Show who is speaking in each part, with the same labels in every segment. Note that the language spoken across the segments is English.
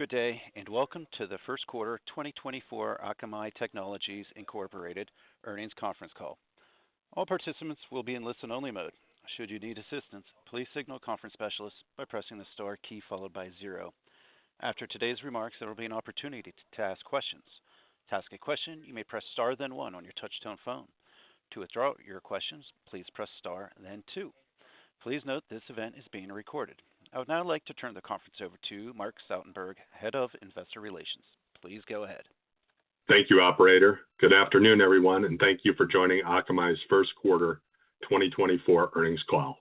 Speaker 1: Good day, and welcome to the first quarter 2024 Akamai Technologies Incorporated Earnings Conference Call. All participants will be in listen-only mode. Should you need assistance, please signal a conference specialist by pressing the star key followed by zero. After today's remarks, there will be an opportunity to ask questions. To ask a question, you may press star, then one on your touchtone phone. To withdraw your questions, please press star, then two. Please note, this event is being recorded. I would now like to turn the conference over to Mark Stoutenberg, Head of Investor Relations. Please go ahead.
Speaker 2: Thank you, operator. Good afternoon, everyone, and thank you for joining Akamai's first quarter 2024 earnings call.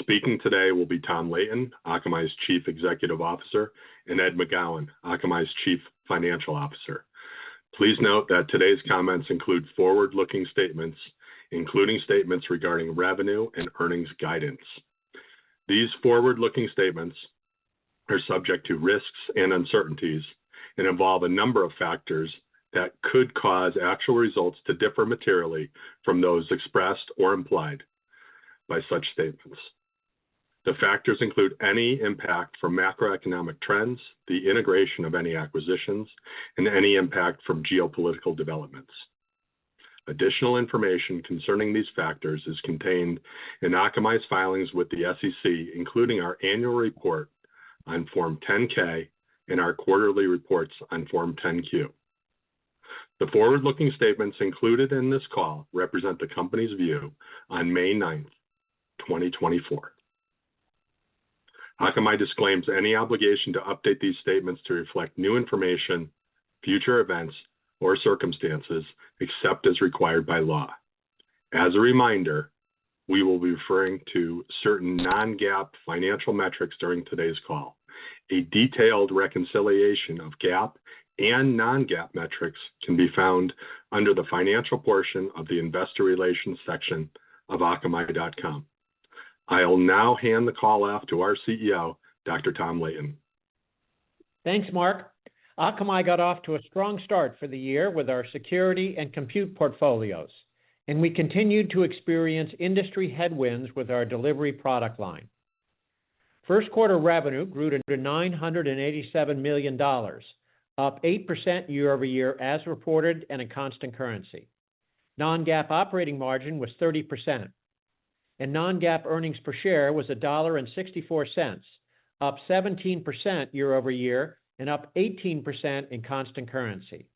Speaker 2: Speaking today will be Tom Leighton, Akamai's Chief Executive Officer, and Ed McGowan, Akamai's Chief Financial Officer. Please note that today's comments include forward-looking statements, including statements regarding revenue and earnings guidance. These forward-looking statements are subject to risks and uncertainties and involve a number of factors that could cause actual results to differ materially from those expressed or implied by such statements. The factors include any impact from macroeconomic trends, the integration of any acquisitions, and any impact from geopolitical developments. Additional information concerning these factors is contained in Akamai's filings with the SEC, including our annual report on Form 10-K and our quarterly reports on Form 10-Q. The forward-looking statements included in this call represent the company's view on May 9, 2024. Akamai disclaims any obligation to update these statements to reflect new information, future events, or circumstances, except as required by law. As a reminder, we will be referring to certain non-GAAP financial metrics during today's call. A detailed reconciliation of GAAP and non-GAAP metrics can be found under the financial portion of the investor relations section of Akamai.com. I will now hand the call off to our CEO, Dr. Tom Leighton.
Speaker 3: Thanks, Mark. Akamai got off to a strong start for the year with our security and compute portfolios, and we continued to experience industry headwinds with our delivery product line. First quarter revenue grew to $987 million, up 8% year-over-year as reported and in constant currency. Non-GAAP operating margin was 30%, and non-GAAP earnings per share was $1.64, up 17% year-over-year and up 18% in constant currency.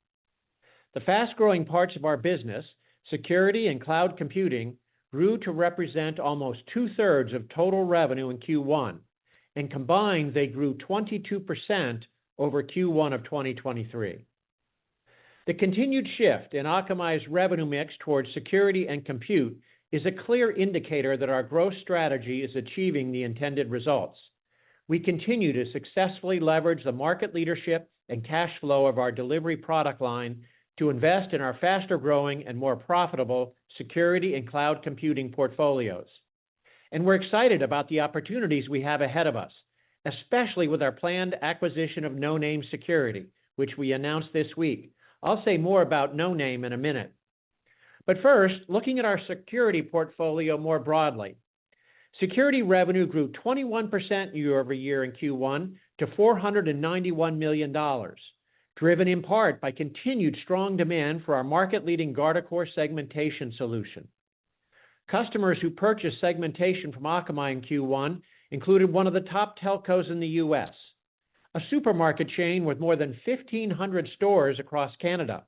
Speaker 3: The fast-growing parts of our business, security and cloud computing, grew to represent almost two-thirds of total revenue in Q1, and combined, they grew 22% over Q1 of 2023. The continued shift in Akamai's revenue mix towards security and compute is a clear indicator that our growth strategy is achieving the intended results. We continue to successfully leverage the market leadership and cash flow of our delivery product line to invest in our faster-growing and more profitable security and cloud computing portfolios. We're excited about the opportunities we have ahead of us, especially with our planned acquisition of Noname Security, which we announced this week. I'll say more about Noname in a minute. But first, looking at our security portfolio more broadly. Security revenue grew 21% year-over-year in Q1 to $491 million, driven in part by continued strong demand for our market-leading Guardicore Segmentation solution. Customers who purchased segmentation from Akamai in Q1 included one of the top telcos in the U.S., a supermarket chain with more than 1,500 stores across Canada,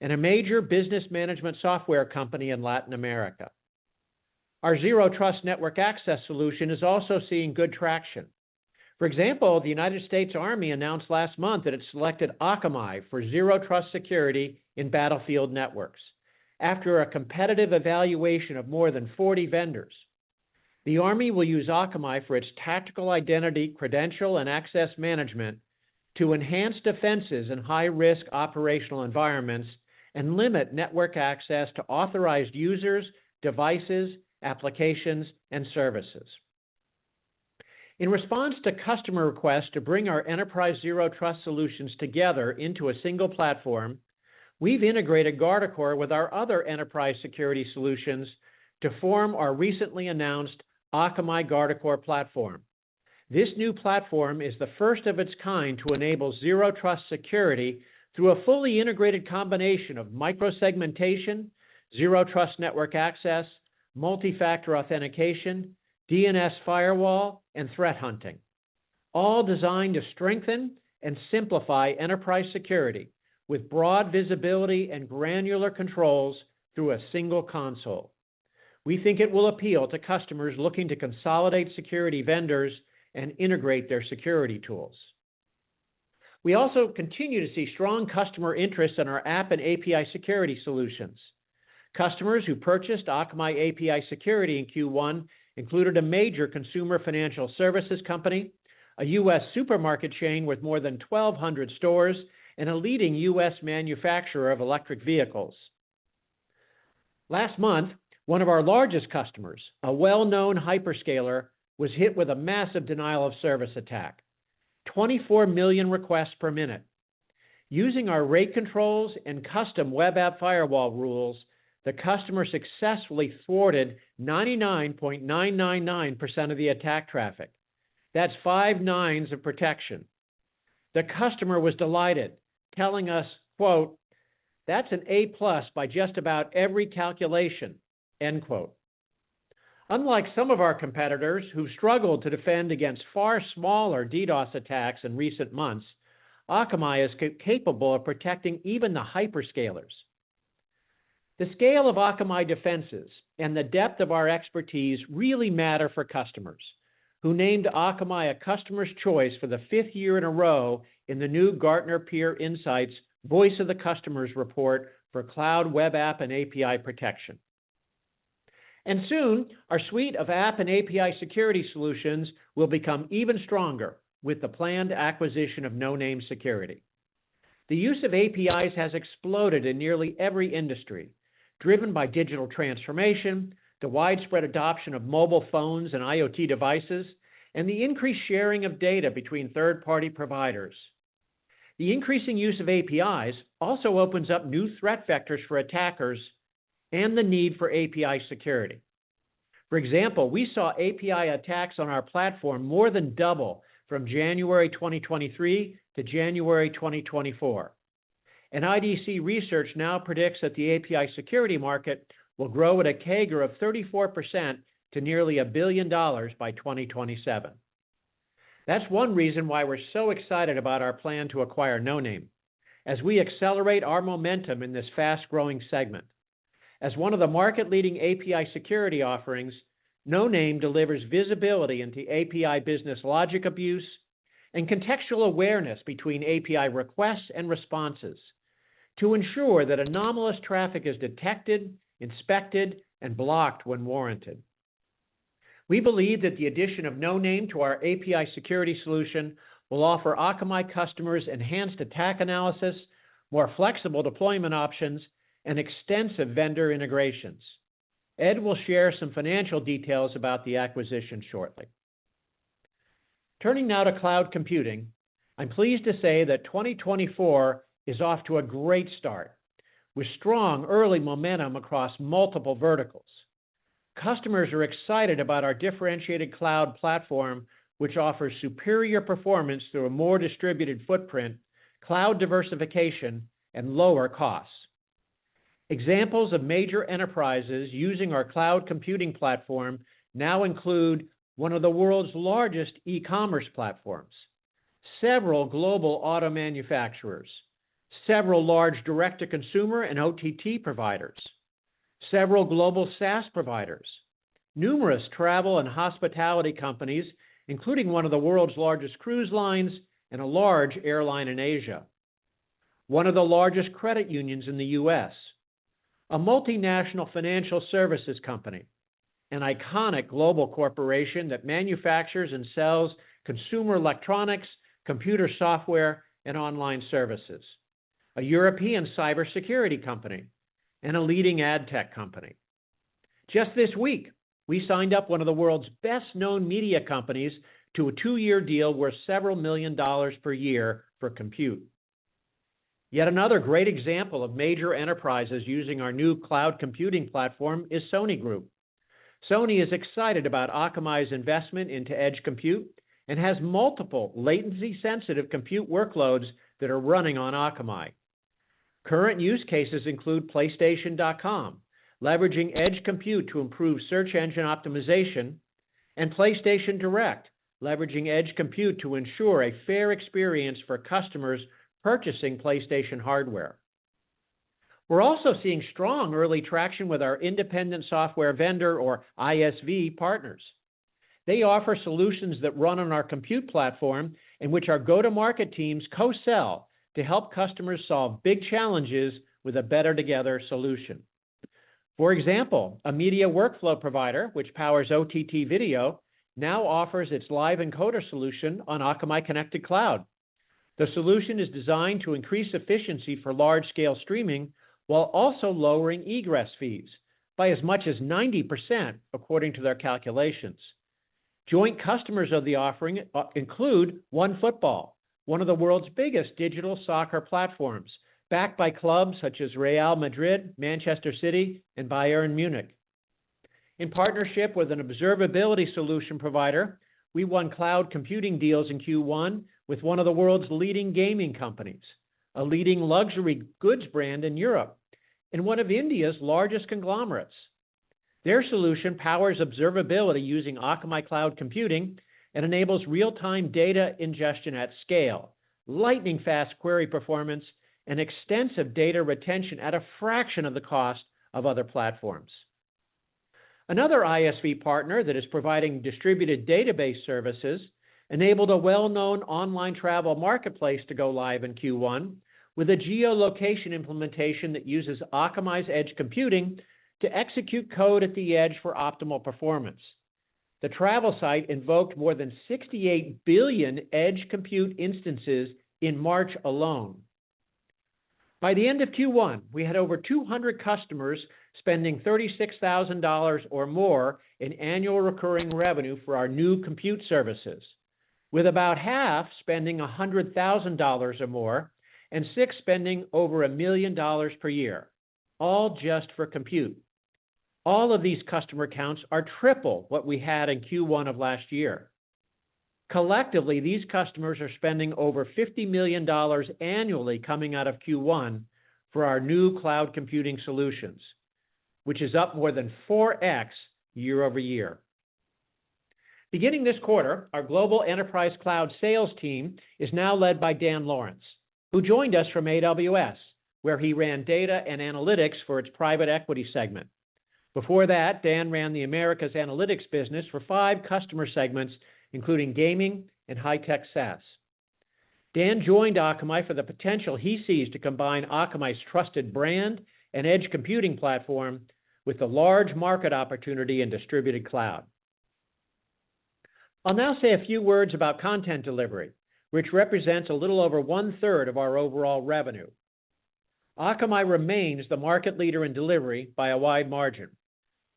Speaker 3: and a major business management software company in Latin America. Our Zero Trust network access solution is also seeing good traction. For example, the United States Army announced last month that it selected Akamai for zero trust security in battlefield networks. After a competitive evaluation of more than 40 vendors, the Army will use Akamai for its tactical identity, credential, and access management to enhance defenses in high-risk operational environments and limit network access to authorized users, devices, applications, and services. In response to customer requests to bring our enterprise Zero Trust solutions together into a single platform, we've integrated Guardicore with our other enterprise security solutions to form our recently announced Akamai Guardicore Platform. This new platform is the first of its kind to enable Zero Trust security through a fully integrated combination of micro-segmentation, zero trust network access, multi-factor authentication, DNS firewall, and threat hunting, all designed to strengthen and simplify enterprise security with broad visibility and granular controls through a single console. We think it will appeal to customers looking to consolidate security vendors and integrate their security tools. We also continue to see strong customer interest in our app and API security solutions. Customers who purchased Akamai API Security in Q1 included a major consumer financial services company, a U.S. supermarket chain with more than 1,200 stores, and a leading U.S. manufacturer of electric vehicles. Last month, one of our largest customers, a well-known hyperscaler, was hit with a massive denial of service attack, 24 million requests per minute. Using our rate controls and custom web app firewall rules, the customer successfully thwarted 99.999% of the attack traffic. That's five nines of protection. The customer was delighted, telling us, quote, “That's an A-plus by just about every calculation,” end quote. Unlike some of our competitors who struggled to defend against far smaller DDoS attacks in recent months, Akamai is capable of protecting even the hyperscalers. The scale of Akamai defenses and the depth of our expertise really matter for customers, who named Akamai a Customers' Choice for the 5th year in a row in the new Gartner Peer Insights Voice of the Customers report for Cloud Web App and API Protection. Soon, our suite of app and API security solutions will become even stronger with the planned acquisition of Noname Security. The use of APIs has exploded in nearly every industry, driven by digital transformation, the widespread adoption of mobile phones and IoT devices, and the increased sharing of data between third-party providers. The increasing use of APIs also opens up new threat vectors for attackers and the need for API security. For example, we saw API attacks on our platform more than double from January 2023 to January 2024. IDC research now predicts that the API security market will grow at a CAGR of 34% to nearly $1 billion by 2027. That's one reason why we're so excited about our plan to acquire Noname, as we accelerate our momentum in this fast-growing segment. As one of the market-leading API security offerings, Noname delivers visibility into API business logic abuse and contextual awareness between API requests and responses to ensure that anomalous traffic is detected, inspected, and blocked when warranted. We believe that the addition of Noname to our API security solution will offer Akamai customers enhanced attack analysis, more flexible deployment options, and extensive vendor integrations. Ed will share some financial details about the acquisition shortly. Turning now to cloud computing, I'm pleased to say that 2024 is off to a great start, with strong early momentum across multiple verticals. Customers are excited about our differentiated cloud platform, which offers superior performance through a more distributed footprint, cloud diversification, and lower costs. Examples of major enterprises using our cloud computing platform now include one of the world's largest e-commerce platforms, several global auto manufacturers, several large direct-to-consumer and OTT providers, several global SaaS providers, numerous travel and hospitality companies, including one of the world's largest cruise lines and a large airline in Asia, one of the largest credit unions in the U.S., a multinational financial services company, an iconic global corporation that manufactures and sells consumer electronics, computer software, and online services, a European cybersecurity company, and a leading ad tech company. Just this week, we signed up one of the world's best-known media companies to a two-year deal worth $several million per year for compute. Yet another great example of major enterprises using our new cloud computing platform is Sony Group. Sony is excited about Akamai's investment into Edge Compute and has multiple latency-sensitive compute workloads that are running on Akamai. Current use cases include PlayStation.com, leveraging Edge Compute to improve search engine optimization, and PlayStation Direct, leveraging Edge Compute to ensure a fair experience for customers purchasing PlayStation hardware. We're also seeing strong early traction with our independent software vendor or ISV partners. They offer solutions that run on our compute platform, in which our go-to-market teams co-sell to help customers solve big challenges with a better together solution. For example, a media workflow provider, which powers OTT video, now offers its live encoder solution on Akamai Connected Cloud. The solution is designed to increase efficiency for large-scale streaming while also lowering egress fees by as much as 90%, according to their calculations. Joint customers of the offering include OneFootball, one of the world's biggest digital soccer platforms, backed by clubs such as Real Madrid, Manchester City, and Bayern Munich. In partnership with an observability solution provider, we won cloud computing deals in Q1 with one of the world's leading gaming companies, a leading luxury goods brand in Europe, and one of India's largest conglomerates. Their solution powers observability using Akamai cloud computing and enables real-time data ingestion at scale, lightning-fast query performance, and extensive data retention at a fraction of the cost of other platforms. Another ISV partner that is providing distributed database services enabled a well-known online travel marketplace to go live in Q1 with a geolocation implementation that uses Akamai's Edge Compute to execute code at the edge for optimal performance. The travel site invoked more than 68 billion edge compute instances in March alone. By the end of Q1, we had over 200 customers spending $36,000 or more in annual recurring revenue for our new compute services, with about half spending $100,000 or more, and six spending over $1 million per year, all just for compute. All of these customer counts are triple what we had in Q1 of last year. Collectively, these customers are spending over $50 million annually coming out of Q1 for our new cloud computing solutions, which is up more than 4x year-over-year. Beginning this quarter, our global enterprise cloud sales team is now led by Dan Lawrence, who joined us from AWS, where he ran data and analytics for its private equity segment. Before that, Dan ran the Americas analytics business for five customer segments, including gaming and high-tech SaaS. Dan joined Akamai for the potential he sees to combine Akamai's trusted brand and edge computing platform with the large market opportunity in distributed cloud. I'll now say a few words about content delivery, which represents a little over one-third of our overall revenue. Akamai remains the market leader in delivery by a wide margin,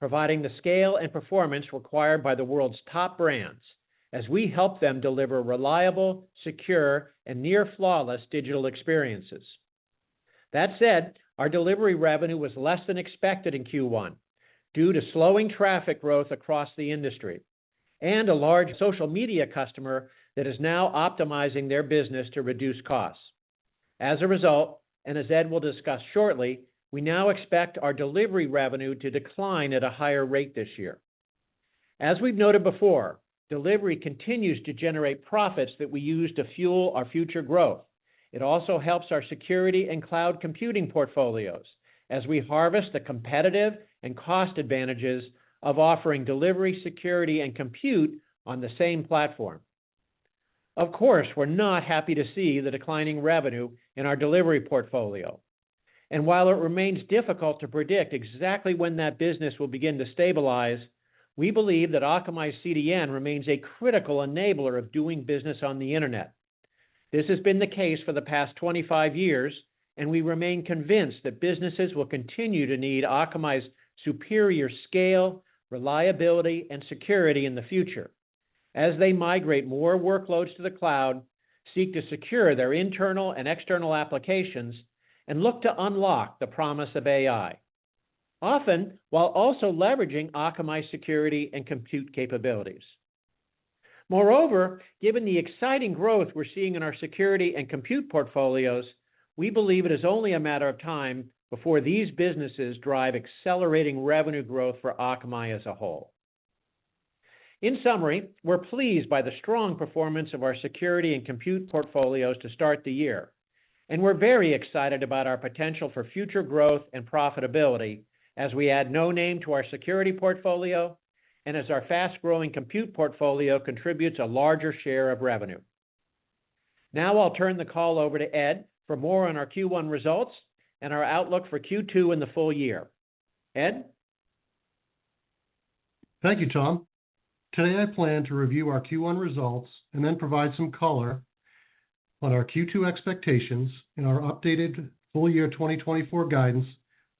Speaker 3: providing the scale and performance required by the world's top brands as we help them deliver reliable, secure, and near flawless digital experiences. That said, our delivery revenue was less than expected in Q1 due to slowing traffic growth across the industry, and a large social media customer that is now optimizing their business to reduce costs. As a result, and as Ed will discuss shortly, we now expect our delivery revenue to decline at a higher rate this year. As we've noted before, delivery continues to generate profits that we use to fuel our future growth. It also helps our security and cloud computing portfolios as we harvest the competitive and cost advantages of offering delivery, security, and compute on the same platform. Of course, we're not happy to see the declining revenue in our delivery portfolio, and while it remains difficult to predict exactly when that business will begin to stabilize, we believe that Akamai's CDN remains a critical enabler of doing business on the internet. This has been the case for the past 25 years, and we remain convinced that businesses will continue to need Akamai's superior scale, reliability, and security in the future as they migrate more workloads to the cloud, seek to secure their internal and external applications, and look to unlock the promise of AI, often while also leveraging Akamai security and compute capabilities. Moreover, given the exciting growth we're seeing in our security and compute portfolios, we believe it is only a matter of time before these businesses drive accelerating revenue growth for Akamai as a whole. In summary, we're pleased by the strong performance of our security and compute portfolios to start the year, and we're very excited about our potential for future growth and profitability as we add Noname to our security portfolio and as our fast-growing compute portfolio contributes a larger share of revenue. Now I'll turn the call over to Ed for more on our Q1 results and our outlook for Q2 and the full year. Ed?
Speaker 4: Thank you, Tom. Today, I plan to review our Q1 results and then provide some color on our Q2 expectations and our updated full year 2024 guidance,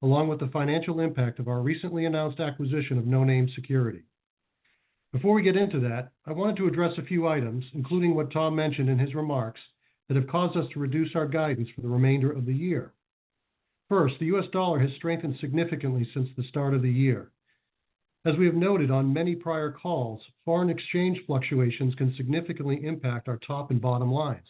Speaker 4: along with the financial impact of our recently announced acquisition of Noname Security. Before we get into that, I wanted to address a few items, including what Tom mentioned in his remarks, that have caused us to reduce our guidance for the remainder of the year. First, the US dollar has strengthened significantly since the start of the year. As we have noted on many prior calls, foreign exchange fluctuations can significantly impact our top and bottom lines.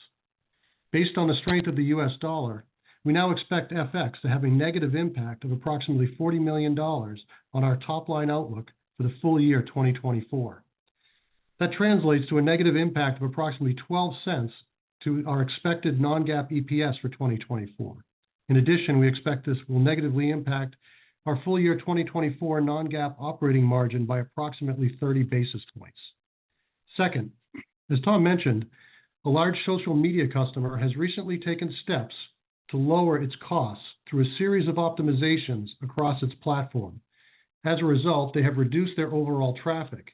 Speaker 4: Based on the strength of the US dollar, we now expect FX to have a negative impact of approximately $40 million on our top-line outlook for the full year 2024. That translates to a negative impact of approximately $0.12 to our expected non-GAAP EPS for 2024. In addition, we expect this will negatively impact our full year 2024 non-GAAP operating margin by approximately 30 basis points. Second, as Tom mentioned, a large social media customer has recently taken steps to lower its costs through a series of optimizations across its platform. As a result, they have reduced their overall traffic.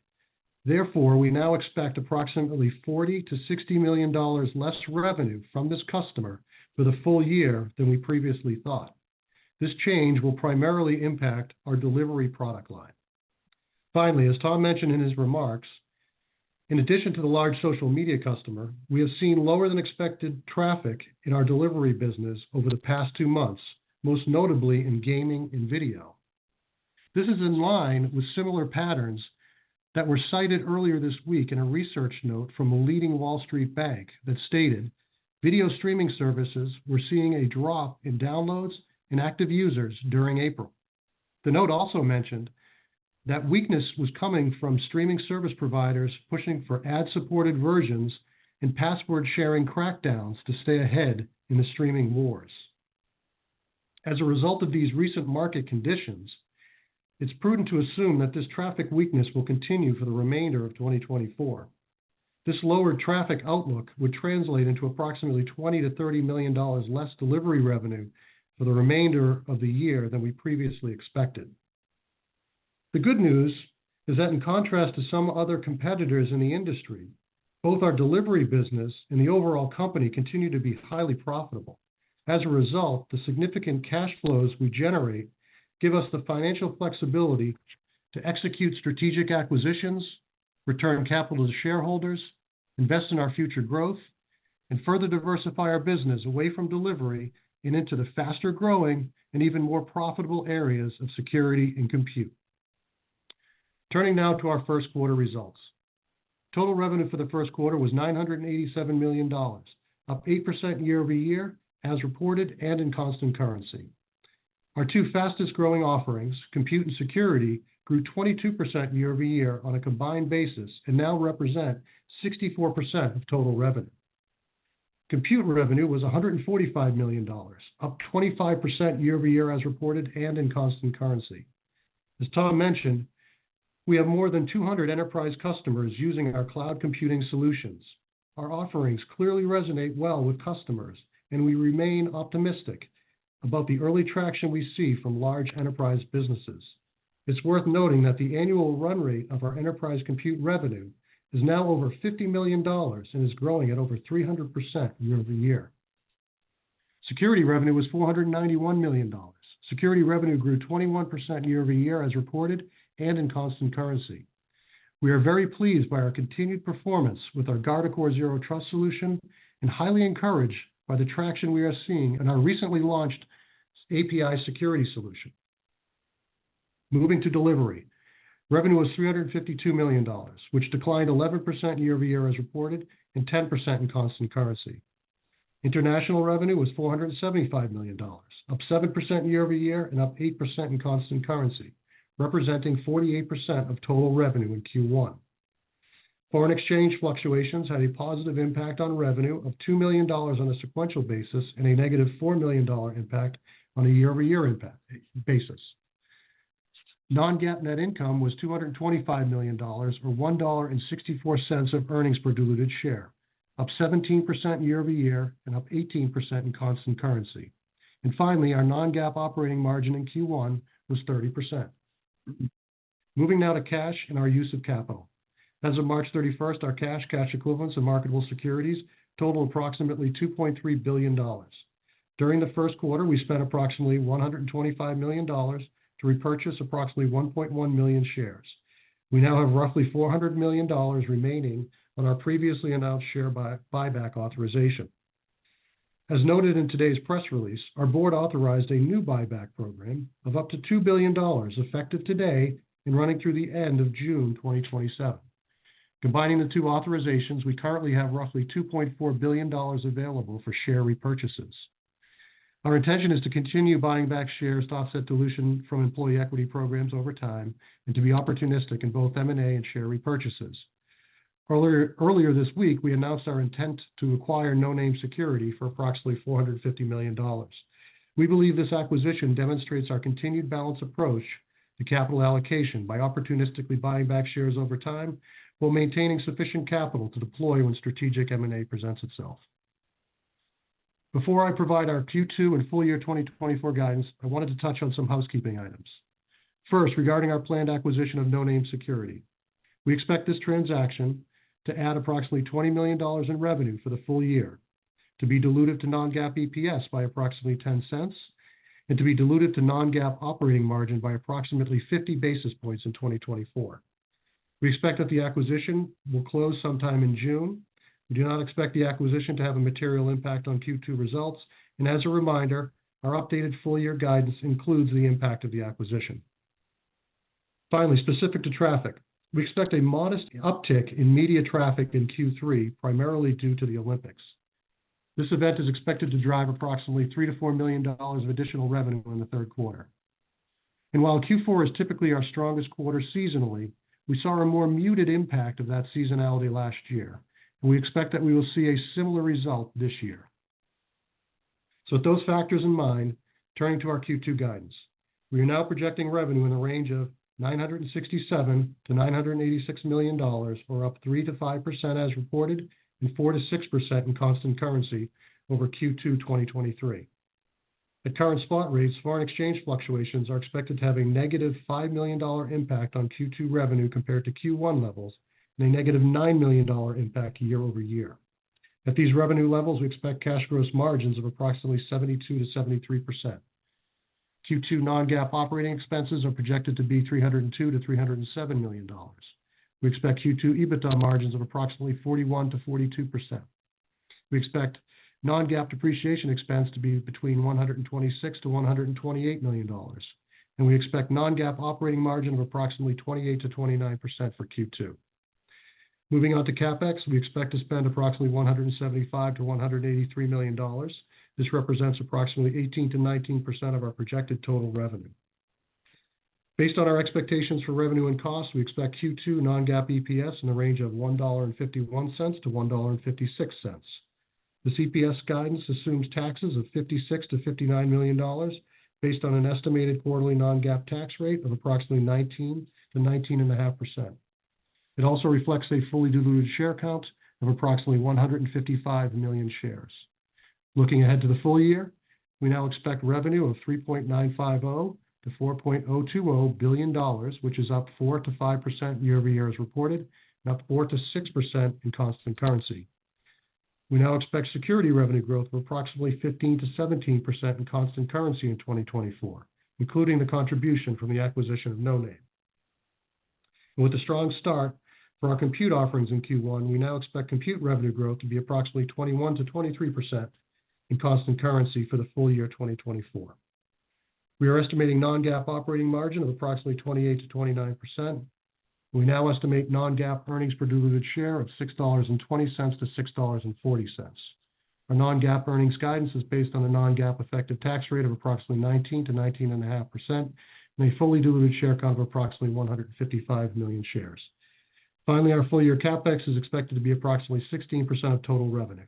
Speaker 4: Therefore, we now expect approximately $40 million-$60 million less revenue from this customer for the full year than we previously thought. This change will primarily impact our delivery product line. Finally, as Tom mentioned in his remarks, in addition to the large social media customer, we have seen lower than expected traffic in our delivery business over the past two months, most notably in gaming and video. This is in line with similar patterns that were cited earlier this week in a research note from a leading Wall Street bank that stated, "Video streaming services were seeing a drop in downloads and active users during April." The note also mentioned that weakness was coming from streaming service providers pushing for ad-supported versions and password sharing crackdowns to stay ahead in the streaming wars. As a result of these recent market conditions, it's prudent to assume that this traffic weakness will continue for the remainder of 2024. This lower traffic outlook would translate into approximately $20 million-$30 million less delivery revenue for the remainder of the year than we previously expected. The good news is that in contrast to some other competitors in the industry, both our delivery business and the overall company continue to be highly profitable. As a result, the significant cash flows we generate give us the financial flexibility to execute strategic acquisitions, return capital to shareholders, invest in our future growth, and further diversify our business away from delivery and into the faster-growing and even more profitable areas of security and compute. Turning now to our first quarter results. Total revenue for the first quarter was $987 million, up 8% year-over-year, as reported and in constant currency. Our two fastest-growing offerings, compute and security, grew 22% year-over-year on a combined basis and now represent 64% of total revenue. Compute revenue was $145 million, up 25% year-over-year as reported and in constant currency. As Tom mentioned, we have more than 200 enterprise customers using our cloud computing solutions. Our offerings clearly resonate well with customers, and we remain optimistic about the early traction we see from large enterprise businesses. It's worth noting that the annual run rate of our enterprise compute revenue is now over $50 million and is growing at over 300% year-over-year. Security revenue was $491 million. Security revenue grew 21% year-over-year as reported and in constant currency. We are very pleased by our continued performance with our Guardicore Zero Trust solution and highly encouraged by the traction we are seeing in our recently launched API security solution. Moving to delivery. Revenue was $352 million, which declined 11% year-over-year as reported, and 10% in constant currency. International revenue was $475 million, up 7% year-over-year and up 8% in constant currency, representing 48% of total revenue in Q1. Foreign exchange fluctuations had a positive impact on revenue of $2 million on a sequential basis and a negative $4 million impact on a year-over-year basis. Non-GAAP net income was $225 million, or $1.64 earnings per diluted share, up 17% year-over-year and up 18% in constant currency. Finally, our non-GAAP operating margin in Q1 was 30%. Moving now to cash and our use of capital. As of March 31, our cash, cash equivalents, and marketable securities totaled approximately $2.3 billion. During the first quarter, we spent approximately $125 million to repurchase approximately 1.1 million shares. We now have roughly $400 million remaining on our previously announced share buyback authorization. As noted in today's press release, our board authorized a new buyback program of up to $2 billion, effective today and running through the end of June 2027. Combining the two authorizations, we currently have roughly $2.4 billion available for share repurchases. Our intention is to continue buying back shares to offset dilution from employee equity programs over time and to be opportunistic in both M&A and share repurchases. Earlier this week, we announced our intent to acquire Noname Security for approximately $450 million. We believe this acquisition demonstrates our continued balanced approach to capital allocation by opportunistically buying back shares over time while maintaining sufficient capital to deploy when strategic M&A presents itself. Before I provide our Q2 and full-year 2024 guidance, I wanted to touch on some housekeeping items. First, regarding our planned acquisition of Noname Security. We expect this transaction to add approximately $20 million in revenue for the full year, to be diluted to non-GAAP EPS by approximately $0.10, and to be diluted to non-GAAP operating margin by approximately 50 basis points in 2024. We expect that the acquisition will close sometime in June. We do not expect the acquisition to have a material impact on Q2 results, and as a reminder, our updated full-year guidance includes the impact of the acquisition. Finally, specific to traffic. We expect a modest uptick in media traffic in Q3, primarily due to the Olympics. This event is expected to drive approximately $3 million-$4 million of additional revenue in the third quarter. And while Q4 is typically our strongest quarter seasonally, we saw a more muted impact of that seasonality last year, and we expect that we will see a similar result this year. So with those factors in mind, turning to our Q2 guidance. We are now projecting revenue in a range of $967 million-$986 million, or up 3%-5% as reported, and 4%-6% in constant currency over Q2 2023. At current spot rates, foreign exchange fluctuations are expected to have a negative $5 million impact on Q2 revenue compared to Q1 levels, and a negative $9 million impact year-over-year. At these revenue levels, we expect cash gross margins of approximately 72%-73%. Q2 non-GAAP operating expenses are projected to be $302 million-$307 million. We expect Q2 EBITDA margins of approximately 41%-42%. We expect non-GAAP depreciation expense to be between $126 million-$128 million, and we expect non-GAAP operating margin of approximately 28%-29% for Q2. Moving on to CapEx, we expect to spend approximately $175 million-$183 million. This represents approximately 18%-19% of our projected total revenue. Based on our expectations for revenue and costs, we expect Q2 non-GAAP EPS in the range of $1.51-$1.56. The EPS guidance assumes taxes of $56 million-$59 million, based on an estimated quarterly non-GAAP tax rate of approximately 19%-19.5%. It also reflects a fully diluted share count of approximately 155 million shares. Looking ahead to the full year, we now expect revenue of $3.950 billion-$4.020 billion, which is up 4%-5% year-over-year as reported, and up 4%-6% in constant currency. We now expect security revenue growth of approximately 15%-17% in constant currency in 2024, including the contribution from the acquisition of Noname. With a strong start for our compute offerings in Q1, we now expect compute revenue growth to be approximately 21%-23% in constant currency for the full year 2024. We are estimating non-GAAP operating margin of approximately 28%-29%. We now estimate non-GAAP earnings per diluted share of $6.20-$6.40. Our non-GAAP earnings guidance is based on a non-GAAP effective tax rate of approximately 19%-19.5%, and a fully diluted share count of approximately 155 million shares. Finally, our full-year CapEx is expected to be approximately 16% of total revenue.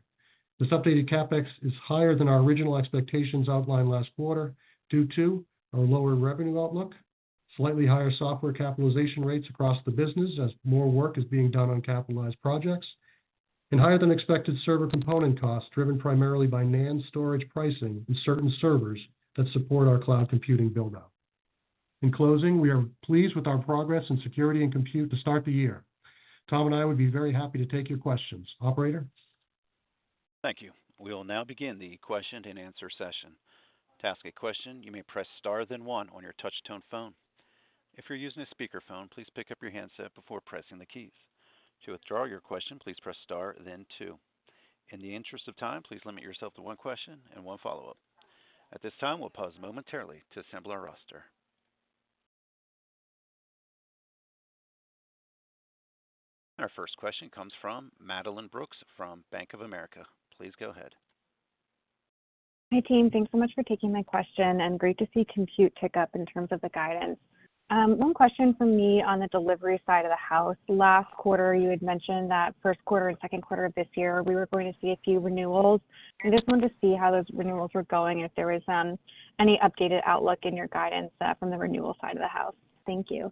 Speaker 4: This updated CapEx is higher than our original expectations outlined last quarter, due to our lower revenue outlook, slightly higher software capitalization rates across the business as more work is being done on capitalized projects, and higher than expected server component costs, driven primarily by NAND storage pricing in certain servers that support our cloud computing build-out. In closing, we are pleased with our progress in security and compute to start the year. Tom and I would be very happy to take your questions. Operator?
Speaker 1: Thank you. We will now begin the question-and-answer session. To ask a question, you may press star, then one on your touch-tone phone. If you're using a speakerphone, please pick up your handset before pressing the keys. To withdraw your question, please press star then two. In the interest of time, please limit yourself to one question and one follow-up. At this time, we'll pause momentarily to assemble our roster. Our first question comes from Madeline Brooks from Bank of America. Please go ahead.
Speaker 5: Hi, team. Thanks so much for taking my question, and great to see compute tick up in terms of the guidance. One question from me on the delivery side of the house. Last quarter, you had mentioned that first quarter and second quarter of this year, we were going to see a few renewals. I just wanted to see how those renewals were going, if there was any updated outlook in your guidance from the renewal side of the house. Thank you.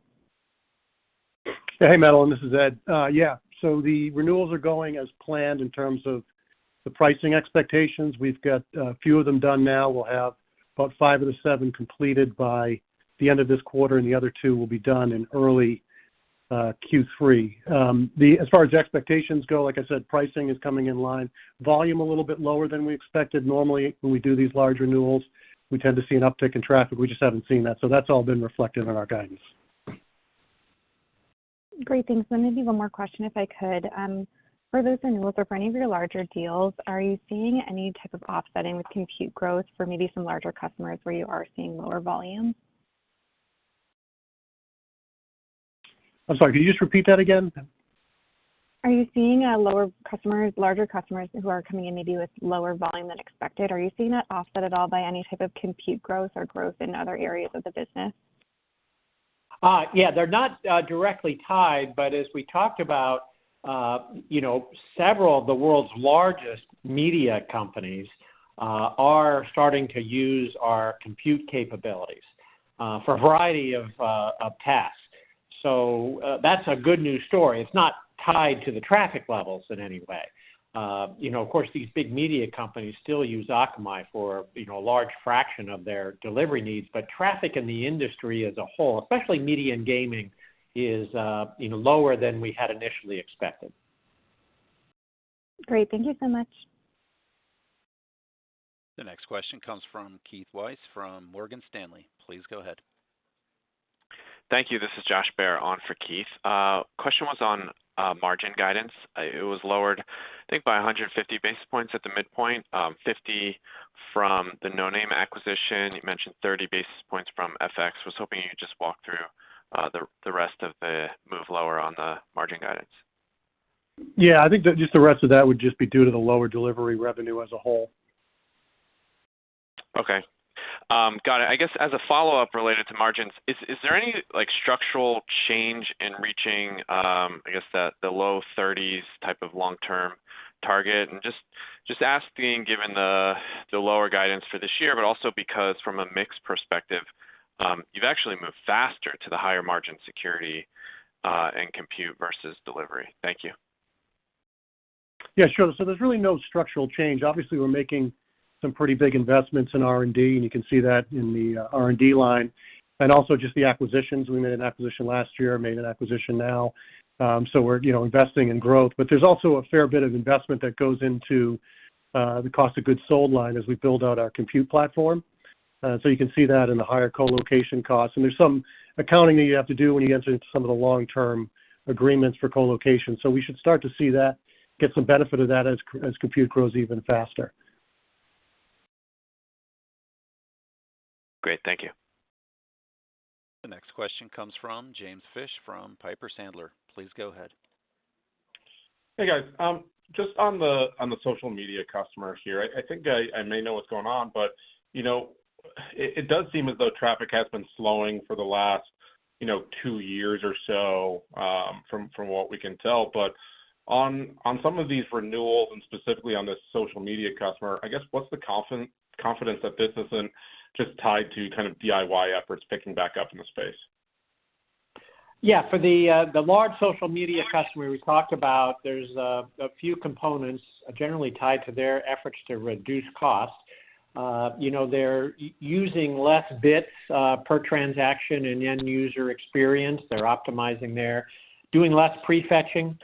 Speaker 4: Hey, Madeline, this is Ed. Yeah, so the renewals are going as planned in terms of the pricing expectations. We've got a few of them done now. We'll have about five of the seven completed by the end of this quarter, and the other two will be done in early Q3. As far as expectations go, like I said, pricing is coming in line. Volume, a little bit lower than we expected. Normally, when we do these large renewals, we tend to see an uptick in traffic. We just haven't seen that, so that's all been reflected in our guidance.
Speaker 5: Great, thanks. Let me give you one more question if I could. For those renewals or for any of your larger deals, are you seeing any type of offsetting with compute growth for maybe some larger customers where you are seeing lower volume?
Speaker 4: I'm sorry, could you just repeat that again?
Speaker 5: Are you seeing, lower customers, larger customers who are coming in maybe with lower volume than expected, are you seeing that offset at all by any type of compute growth or growth in other areas of the business?
Speaker 3: Yeah, they're not directly tied, but as we talked about, you know, several of the world's largest media companies are starting to use our compute capabilities for a variety of tasks. So, that's a good news story. It's not tied to the traffic levels in any way. You know, of course, these big media companies still use Akamai for, you know, a large fraction of their delivery needs, but traffic in the industry as a whole, especially media and gaming, is, you know, lower than we had initially expected.
Speaker 5: Great. Thank you so much.
Speaker 1: The next question comes from Keith Weiss from Morgan Stanley. Please go ahead.
Speaker 6: Thank you. This is Josh Baer on for Keith. Question was on margin guidance. It was lowered, I think, by 150 basis points at the midpoint, 50 from the Noname acquisition. You mentioned 30 basis points from FX. I was hoping you could just walk through the rest of the move lower on the margin guidance.
Speaker 4: Yeah, I think that just the rest of that would just be due to the lower delivery revenue as a whole.
Speaker 6: Okay. Got it. I guess as a follow-up related to margins, is there any, like, structural change in reaching, I guess, the low thirties type of long-term target? And just asking, given the lower guidance for this year, but also because from a mix perspective, you've actually moved faster to the higher margin security and compute versus delivery. Thank you.
Speaker 4: Yeah, sure. So there's really no structural change. Obviously, we're making some pretty big investments in R&D, and you can see that in the R&D line, and also just the acquisitions. We made an acquisition last year, made an acquisition now. So we're, you know, investing in growth. But there's also a fair bit of investment that goes into the cost of goods sold line as we build out our compute platform. So you can see that in the higher co-location costs. And there's some accounting that you have to do when you enter into some of the long-term agreements for co-location. So we should start to see that, get some benefit of that as compute grows even faster.
Speaker 6: Great. Thank you.
Speaker 1: The next question comes from James Fish from Piper Sandler. Please go ahead.
Speaker 7: Hey, guys. Just on the social media customer here, I think I may know what's going on, but, you know, it does seem as though traffic has been slowing for the last, you know, two years or so, from what we can tell. But on some of these renewals, and specifically on this social media customer, I guess, what's the confidence that this isn't just tied to kind of DIY efforts picking back up in the space?
Speaker 3: Yeah, for the large social media customer we talked about, there's a few components generally tied to their efforts to reduce costs. You know, they're using less bits per transaction and end user experience. They're optimizing there, doing less prefetching.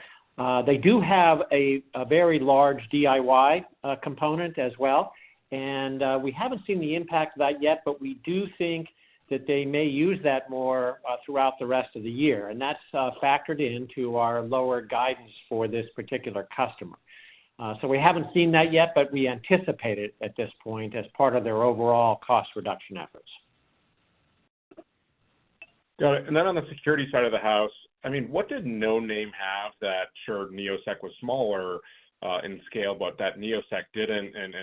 Speaker 3: They do have a very large DIY component as well, and we haven't seen the impact of that yet, but we do think that they may use that more throughout the rest of the year, and that's factored into our lower guidance for this particular customer. So we haven't seen that yet, but we anticipate it at this point as part of their overall cost reduction efforts.
Speaker 7: Got it. And then on the security side of the house, I mean, what did Noname have that, sure, Neosec was smaller, in scale, but that Neosec didn't, and,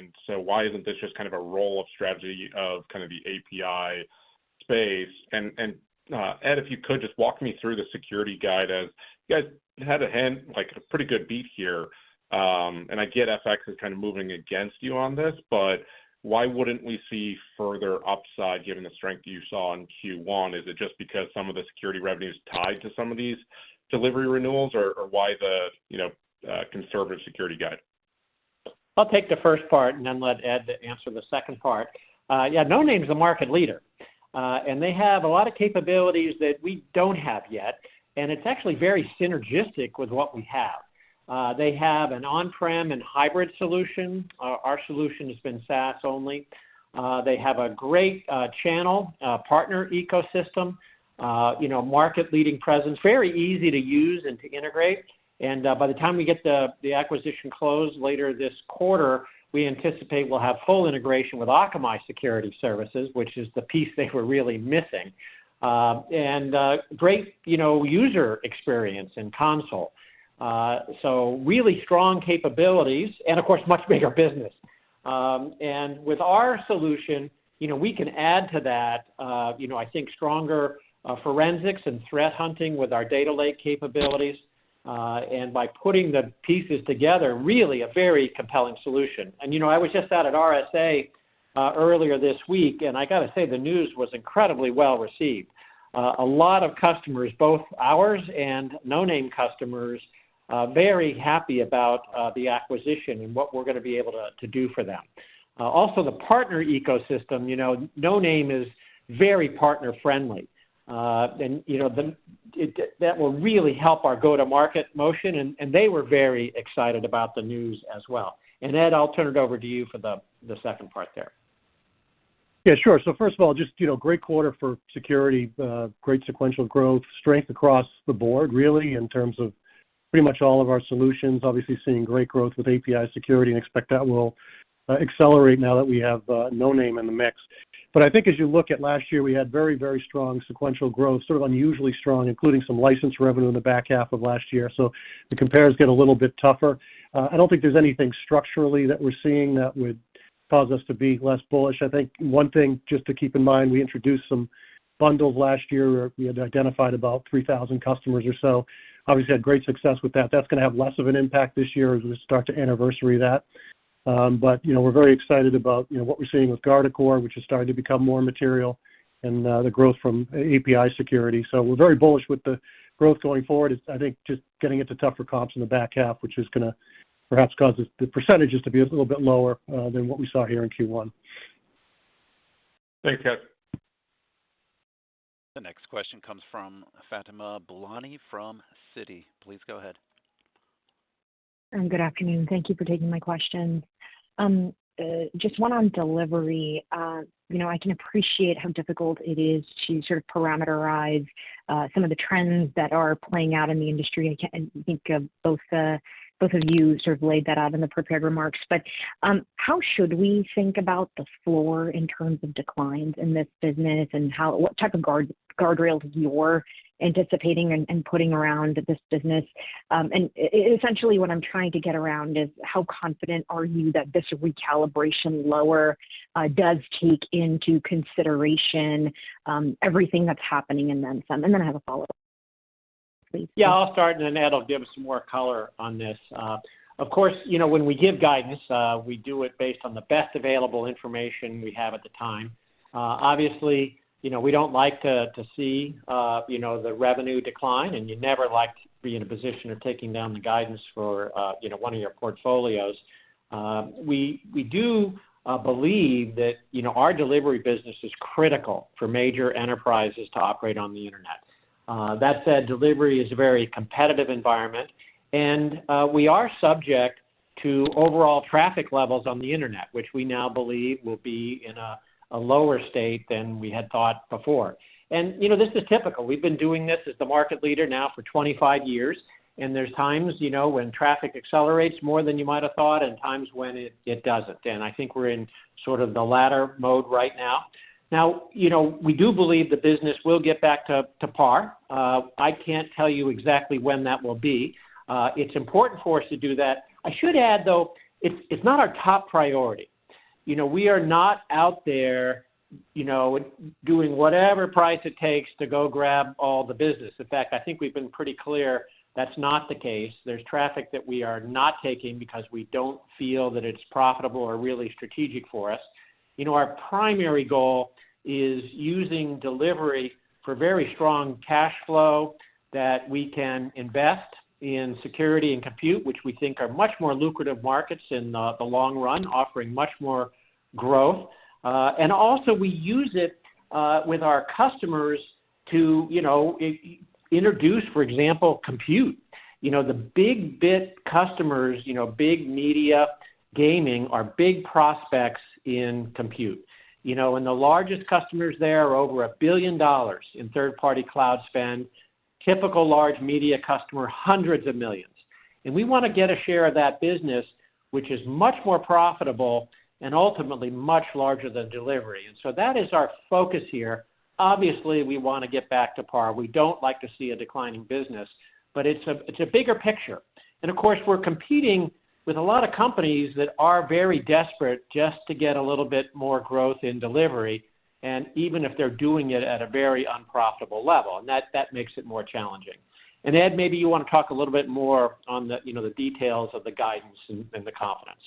Speaker 7: Ed, if you could, just walk me through the security guide, as you guys had a hand, like, a pretty good beat here, and I get FX is kind of moving against you on this, but why wouldn't we see further upside given the strength you saw in Q1? Is it just because some of the security revenue is tied to some of these delivery renewals, or why the, you know, conservative security guide?
Speaker 3: I'll take the first part and then let Ed answer the second part. Yeah, Noname is a market leader, and they have a lot of capabilities that we don't have yet, and it's actually very synergistic with what we have. They have an on-prem and hybrid solution. Our solution has been SaaS only. They have a great channel partner ecosystem, you know, market-leading presence, very easy to use and to integrate. And by the time we get the acquisition closed later this quarter, we anticipate we'll have full integration with Akamai Security Services, which is the piece they were really missing. And great, you know, user experience in console. So really strong capabilities and, of course, much bigger business. And with our solution, you know, we can add to that, you know, I think, stronger forensics and threat hunting with our data lake capabilities, and by putting the pieces together, really a very compelling solution. And, you know, I was just out at RSA earlier this week, and I gotta say, the news was incredibly well received. A lot of customers, both ours and Noname customers, very happy about the acquisition and what we're gonna be able to do for them. Also, the partner ecosystem, you know, Noname is very partner-friendly. And, you know, that will really help our go-to-market motion, and they were very excited about the news as well. And Ed, I'll turn it over to you for the second part there.
Speaker 4: Yeah, sure. So first of all, just, you know, great quarter for security, great sequential growth, strength across the board, really, in terms of pretty much all of our solutions. Obviously, seeing great growth with API Security and expect that will accelerate now that we have Noname in the mix. But I think as you look at last year, we had very, very strong sequential growth, sort of unusually strong, including some license revenue in the back half of last year. So the compares get a little bit tougher. I don't think there's anything structurally that we're seeing that would cause us to be less bullish. I think one thing just to keep in mind, we introduced some bundles last year, where we had identified about 3,000 customers or so. Obviously, had great success with that. That's gonna have less of an impact this year as we start to anniversary that. But, you know, we're very excited about, you know, what we're seeing with Guardicore, which is starting to become more material, and the growth from API security. So we're very bullish with the growth going forward. It's, I think, just getting into tougher comps in the back half, which is gonna perhaps cause the percentages to be a little bit lower than what we saw here in Q1.
Speaker 7: Thanks, guys.
Speaker 1: The next question comes from Fatima Boolani from Citi. Please go ahead.
Speaker 8: Good afternoon. Thank you for taking my questions. Just one on delivery. You know, I can appreciate how difficult it is to sort of parameterize some of the trends that are playing out in the industry, and I think both of you sort of laid that out in the prepared remarks. But, how should we think about the floor in terms of declines in this business and how what type of guardrails you're anticipating and putting around this business? And essentially, what I'm trying to get around is, how confident are you that this recalibration lower does take into consideration everything that's happening and then some? And then I have a follow-up, please.
Speaker 3: Yeah, I'll start, and then Ed will give some more color on this. Of course, you know, when we give guidance, we do it based on the best available information we have at the time. Obviously, you know, we don't like to see the revenue decline, and you never like to be in a position of taking down the guidance for one of your portfolios. We do believe that our delivery business is critical for major enterprises to operate on the internet. That said, delivery is a very competitive environment, and we are subject to overall traffic levels on the internet, which we now believe will be in a lower state than we had thought before. You know, this is typical. We've been doing this as the market leader now for 25 years, and there's times, you know, when traffic accelerates more than you might have thought, and times when it doesn't, and I think we're in sort of the latter mode right now. Now, you know, we do believe the business will get back to par. I can't tell you exactly when that will be. It's important for us to do that. I should add, though, it's not our top priority. You know, we are not out there, you know, doing whatever price it takes to go grab all the business. In fact, I think we've been pretty clear that's not the case. There's traffic that we are not taking because we don't feel that it's profitable or really strategic for us. You know, our primary goal is using delivery for very strong cash flow that we can invest in security and compute, which we think are much more lucrative markets in the long run, offering much more growth. And also we use it with our customers to, you know, introduce, for example, compute. You know, the big bet customers, you know, big media, gaming, are big prospects in compute. You know, and the largest customers there are over $1 billion in third-party cloud spend, typical large media customer, hundreds of millions. And we wanna get a share of that business, which is much more profitable and ultimately much larger than delivery. And so that is our focus here. Obviously, we wanna get back to par. We don't like to see a decline in business, but it's a bigger picture. Of course, we're competing with a lot of companies that are very desperate just to get a little bit more growth in delivery, and even if they're doing it at a very unprofitable level, and that, that makes it more challenging. Ed, maybe you wanna talk a little bit more on the, you know, the details of the guidance and, and the confidence.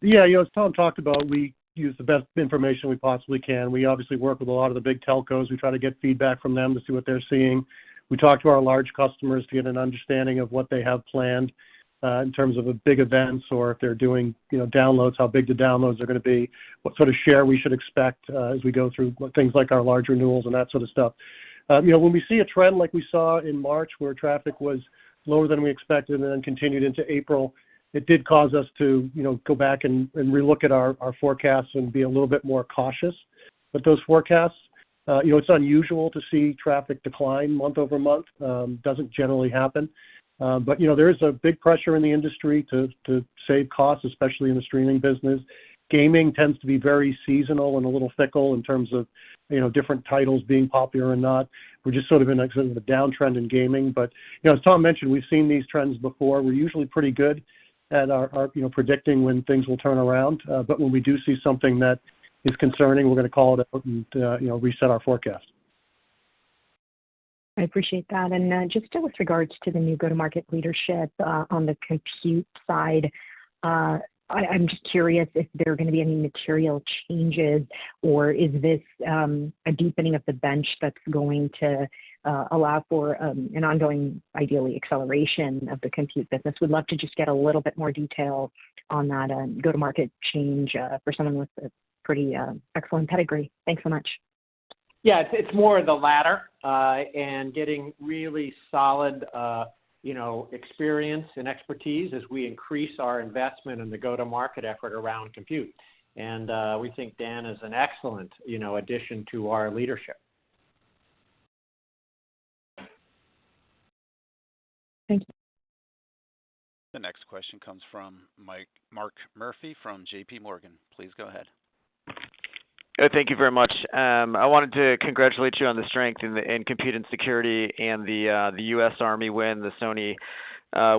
Speaker 4: Yeah, you know, as Tom talked about, we use the best information we possibly can. We obviously work with a lot of the big telcos. We try to get feedback from them to see what they're seeing. We talk to our large customers to get an understanding of what they have planned, in terms of the big events or if they're doing, you know, downloads, how big the downloads are gonna be, what sort of share we should expect, as we go through things like our large renewals and that sort of stuff. You know, when we see a trend like we saw in March, where traffic was lower than we expected and then continued into April, it did cause us to, you know, go back and relook at our forecasts and be a little bit more cautious. But those forecasts, you know, it's unusual to see traffic decline month-over-month. Doesn't generally happen, but, you know, there is a big pressure in the industry to save costs, especially in the streaming business. Gaming tends to be very seasonal and a little fickle in terms of, you know, different titles being popular or not. We're just sort of in a downtrend in gaming, but, you know, as Tom mentioned, we've seen these trends before. We're usually pretty good at our, our, you know, predicting when things will turn around, but when we do see something that is concerning, we're gonna call it out and, you know, reset our forecast.
Speaker 8: I appreciate that. And just with regards to the new go-to-market leadership on the compute side, I'm just curious if there are gonna be any material changes, or is this a deepening of the bench that's going to allow for an ongoing, ideally, acceleration of the compute business? Would love to just get a little bit more detail on that go-to-market change for someone with a pretty excellent pedigree. Thanks so much.
Speaker 3: Yeah, it's, it's more of the latter, and getting really solid, you know, experience and expertise as we increase our investment in the go-to-market effort around compute. And, we think Dan is an excellent, you know, addition to our leadership.
Speaker 8: Thank you.
Speaker 1: The next question comes from Mark Murphy from JPMorgan. Please go ahead.
Speaker 9: Thank you very much. I wanted to congratulate you on the strength in compute and security and the U.S. Army win, the Sony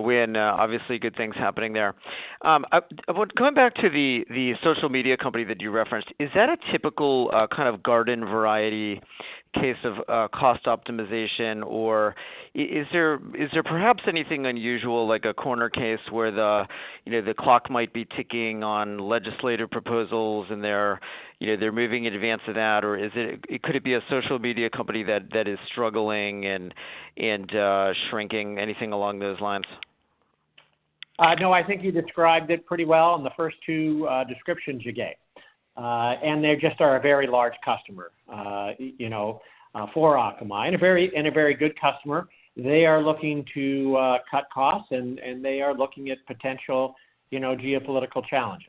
Speaker 9: win. Obviously, good things happening there. Going back to the social media company that you referenced, is that a typical kind of garden variety case of cost optimization, or is there perhaps anything unusual, like a corner case where you know the clock might be ticking on legislative proposals, and they're you know they're moving in advance of that? Or is it, could it be a social media company that is struggling and shrinking? Anything along those lines?
Speaker 3: No, I think you described it pretty well in the first two descriptions you gave. And they just are a very large customer, you know, for Akamai, and a very good customer. They are looking to cut costs, and they are looking at potential, you know, geopolitical challenges.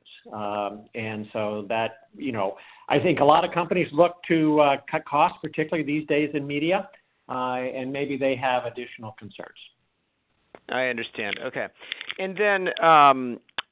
Speaker 3: And so that, you know, I think a lot of companies look to cut costs, particularly these days in media, and maybe they have additional concerns.
Speaker 9: I understand. Okay. And then,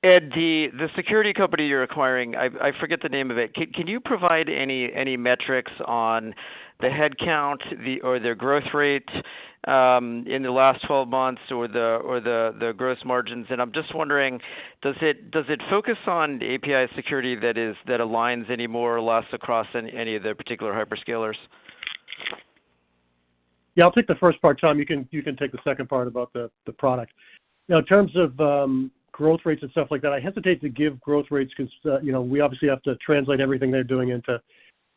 Speaker 9: Ed, the security company you're acquiring, I forget the name of it. Can you provide any metrics on the headcount, or their growth rate in the last 12 months or the gross margins? And I'm just wondering, does it focus on API security that aligns any more or less across any of the particular hyperscalers?
Speaker 4: Yeah, I'll take the first part, Tom. You can, you can take the second part about the, the product. Now, in terms of, growth rates and stuff like that, I hesitate to give growth rates because, you know, we obviously have to translate everything they're doing into,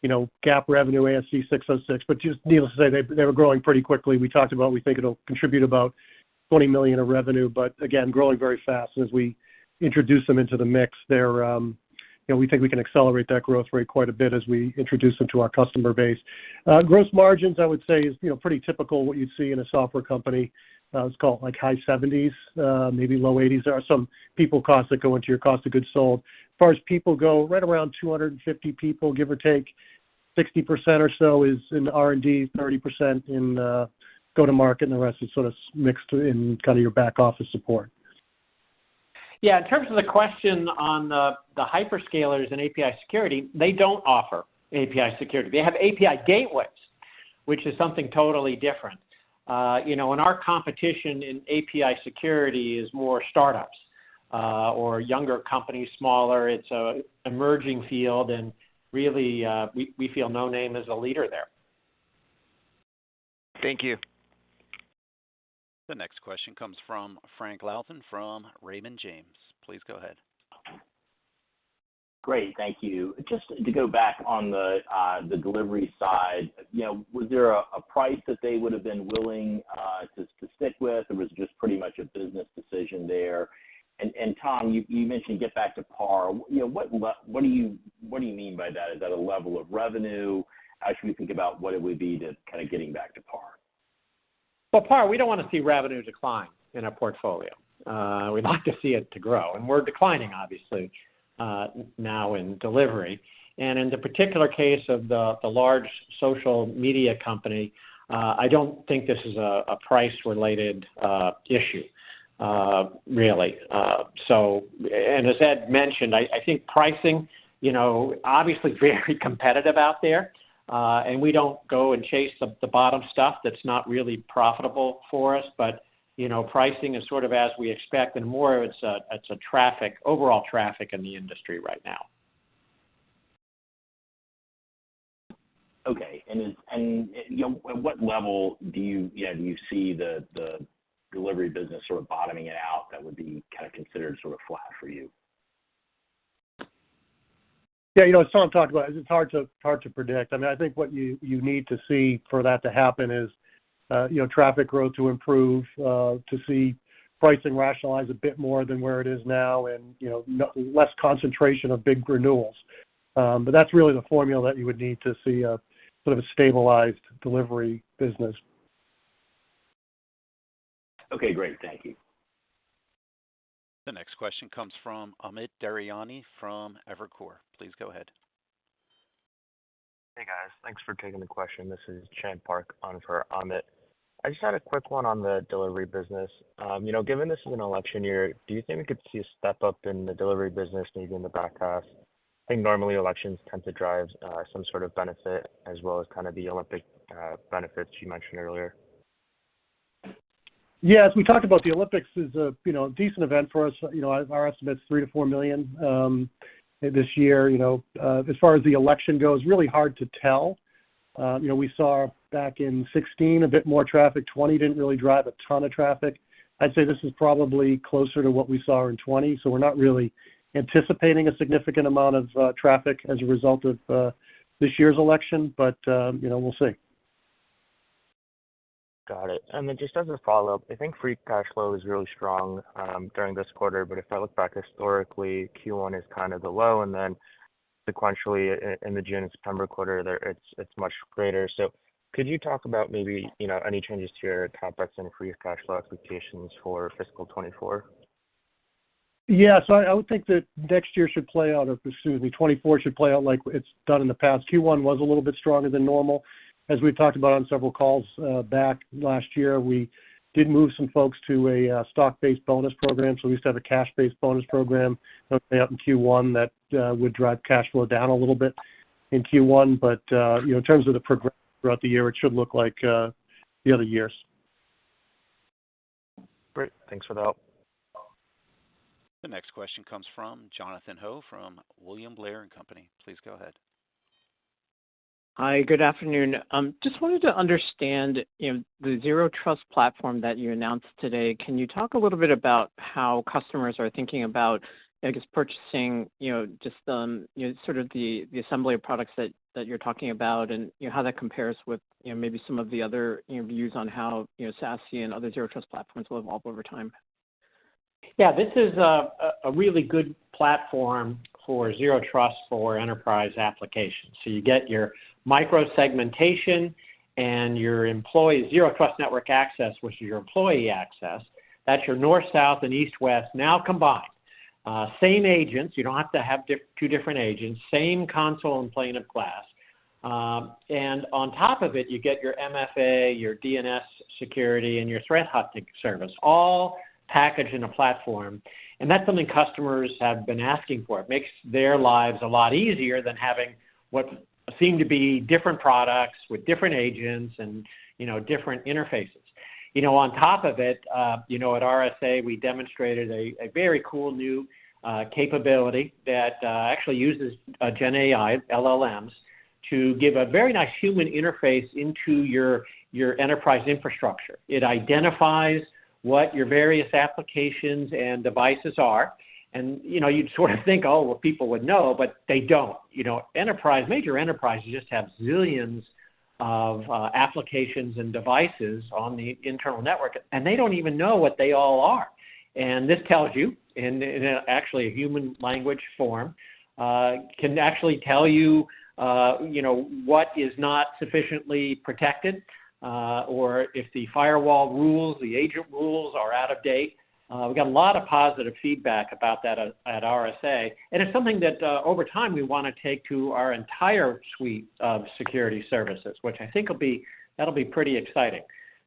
Speaker 4: you know, GAAP revenue, ASC 606. But just needless to say, they, they were growing pretty quickly. We talked about we think it'll contribute about $20 million of revenue, but again, growing very fast. And as we introduce them into the mix, they're, you know, we think we can accelerate that growth rate quite a bit as we introduce them to our customer base. Gross margins, I would say, is, you know, pretty typical what you'd see in a software company. It's called, like, high 70s%, maybe low 80s%. There are some people costs that go into your cost of goods sold. As far as people go, right around 250 people, give or take. 60% or so is in R&D, 30% in go-to-market, and the rest is sort of mixed in kind of your back office support.
Speaker 3: Yeah, in terms of the question on the hyperscalers and API security, they don't offer API security. They have API gateways, which is something totally different. You know, and our competition in API security is more startups or younger companies, smaller. It's a emerging field, and really, we feel Noname is a leader there.
Speaker 9: Thank you.
Speaker 1: The next question comes from Frank Louthan from Raymond James. Please go ahead.
Speaker 10: Great. Thank you. Just to go back on the delivery side, you know, was there a price that they would have been willing to stick with, or was it just pretty much a business decision there? And Tom, you mentioned get back to par. You know, what do you mean by that? Is that a level of revenue? How should we think about what it would be to kinda getting back to par?
Speaker 3: Well, par, we don't wanna see revenue decline in our portfolio. We'd like to see it grow, and we're declining, obviously, now in delivery. And in the particular case of the large social media company, I don't think this is a price-related issue, really. So and as Ed mentioned, I think pricing, you know, obviously very competitive out there, and we don't go and chase the bottom stuff that's not really profitable for us. But, you know, pricing is sort of as we expect, and more it's a traffic overall traffic in the industry right now.
Speaker 10: Okay. And, you know, at what level do you, you know, do you see the delivery business sort of bottoming it out that would be kinda considered sort of flat for you?
Speaker 4: Yeah, you know, as Tom talked about, it's hard to, hard to predict. I mean, I think what you, you need to see for that to happen is, you know, traffic growth to improve, to see pricing rationalize a bit more than where it is now and, you know, less concentration of big renewals. But that's really the formula that you would need to see a, sort of a stabilized delivery business.
Speaker 10: Okay, great. Thank you.
Speaker 1: The next question comes from Amit Daryanani from Evercore. Please go ahead.
Speaker 11: Hey, guys. Thanks for taking the question. This is Chan Park on for Amit. I just had a quick one on the delivery business. You know, given this is an election year, do you think we could see a step up in the delivery business, maybe in the back half? I think normally elections tend to drive some sort of benefit as well as kind of the Olympic benefits you mentioned earlier.
Speaker 4: Yes, we talked about the Olympics is a, you know, decent event for us. You know, our estimate's 3-4 million this year. You know, as far as the election goes, really hard to tell. You know, we saw back in 2016 a bit more traffic. 2020 didn't really drive a ton of traffic. I'd say this is probably closer to what we saw in 2020, so we're not really anticipating a significant amount of traffic as a result of this year's election, but, you know, we'll see.
Speaker 11: Got it. And then just as a follow-up, I think free cash flow is really strong during this quarter, but if I look back historically, Q1 is kind of the low, and then sequentially, in the June and September quarter, it's much greater. So could you talk about maybe, you know, any changes to your CapEx and free cash flow expectations for fiscal 2024?
Speaker 4: Yeah. So I would think that next year should play out as presumably 2024 should play out like it's done in the past. Q1 was a little bit stronger than normal. As we've talked about on several calls back last year, we did move some folks to a stock-based bonus program, so we used to have a cash-based bonus program mostly up in Q1 that would drive cash flow down a little bit in Q1. But you know, in terms of the progress throughout the year, it should look like the other years.
Speaker 11: Great. Thanks for the help.
Speaker 1: The next question comes from Jonathan Ho from William Blair & Company. Please go ahead.
Speaker 12: Hi, good afternoon. Just wanted to understand, you know, the Zero Trust platform that you announced today. Can you talk a little bit about how customers are thinking about, I guess, purchasing, you know, just, you know, sort of the, the assembly of products that, that you're talking about and, you know, how that compares with, you know, maybe some of the other views on how, you know, SASE and other Zero Trust platforms will evolve over time?
Speaker 3: Yeah, this is a really good platform for Zero Trust for enterprise applications. So you get your micro-segmentation and your employee Zero Trust network access, which is your employee access. That's your North-South and East-West, now combined. Same agents, you don't have to have two different agents, same console and pane of glass. And on top of it, you get your MFA, your DNS security, and your threat hunting service, all packaged in a platform, and that's something customers have been asking for. It makes their lives a lot easier than having what seem to be different products with different agents and, you know, different interfaces. You know, on top of it, you know, at RSA, we demonstrated a very cool new capability that actually uses GenAI, LLMs, to give a very nice human interface into your enterprise infrastructure. It identifies what your various applications and devices are, and, you know, you'd sort of think, "Oh, well, people would know," but they don't. You know, major enterprises just have zillions of applications and devices on the internal network, and they don't even know what they all are. And this tells you, in actually a human language form, can actually tell you, you know, what is not sufficiently protected, or if the firewall rules, the agent rules are out of date. We got a lot of positive feedback about that at RSA, and it's something that, over time, we wanna take to our entire suite of security services, which I think will be—that'll be pretty exciting.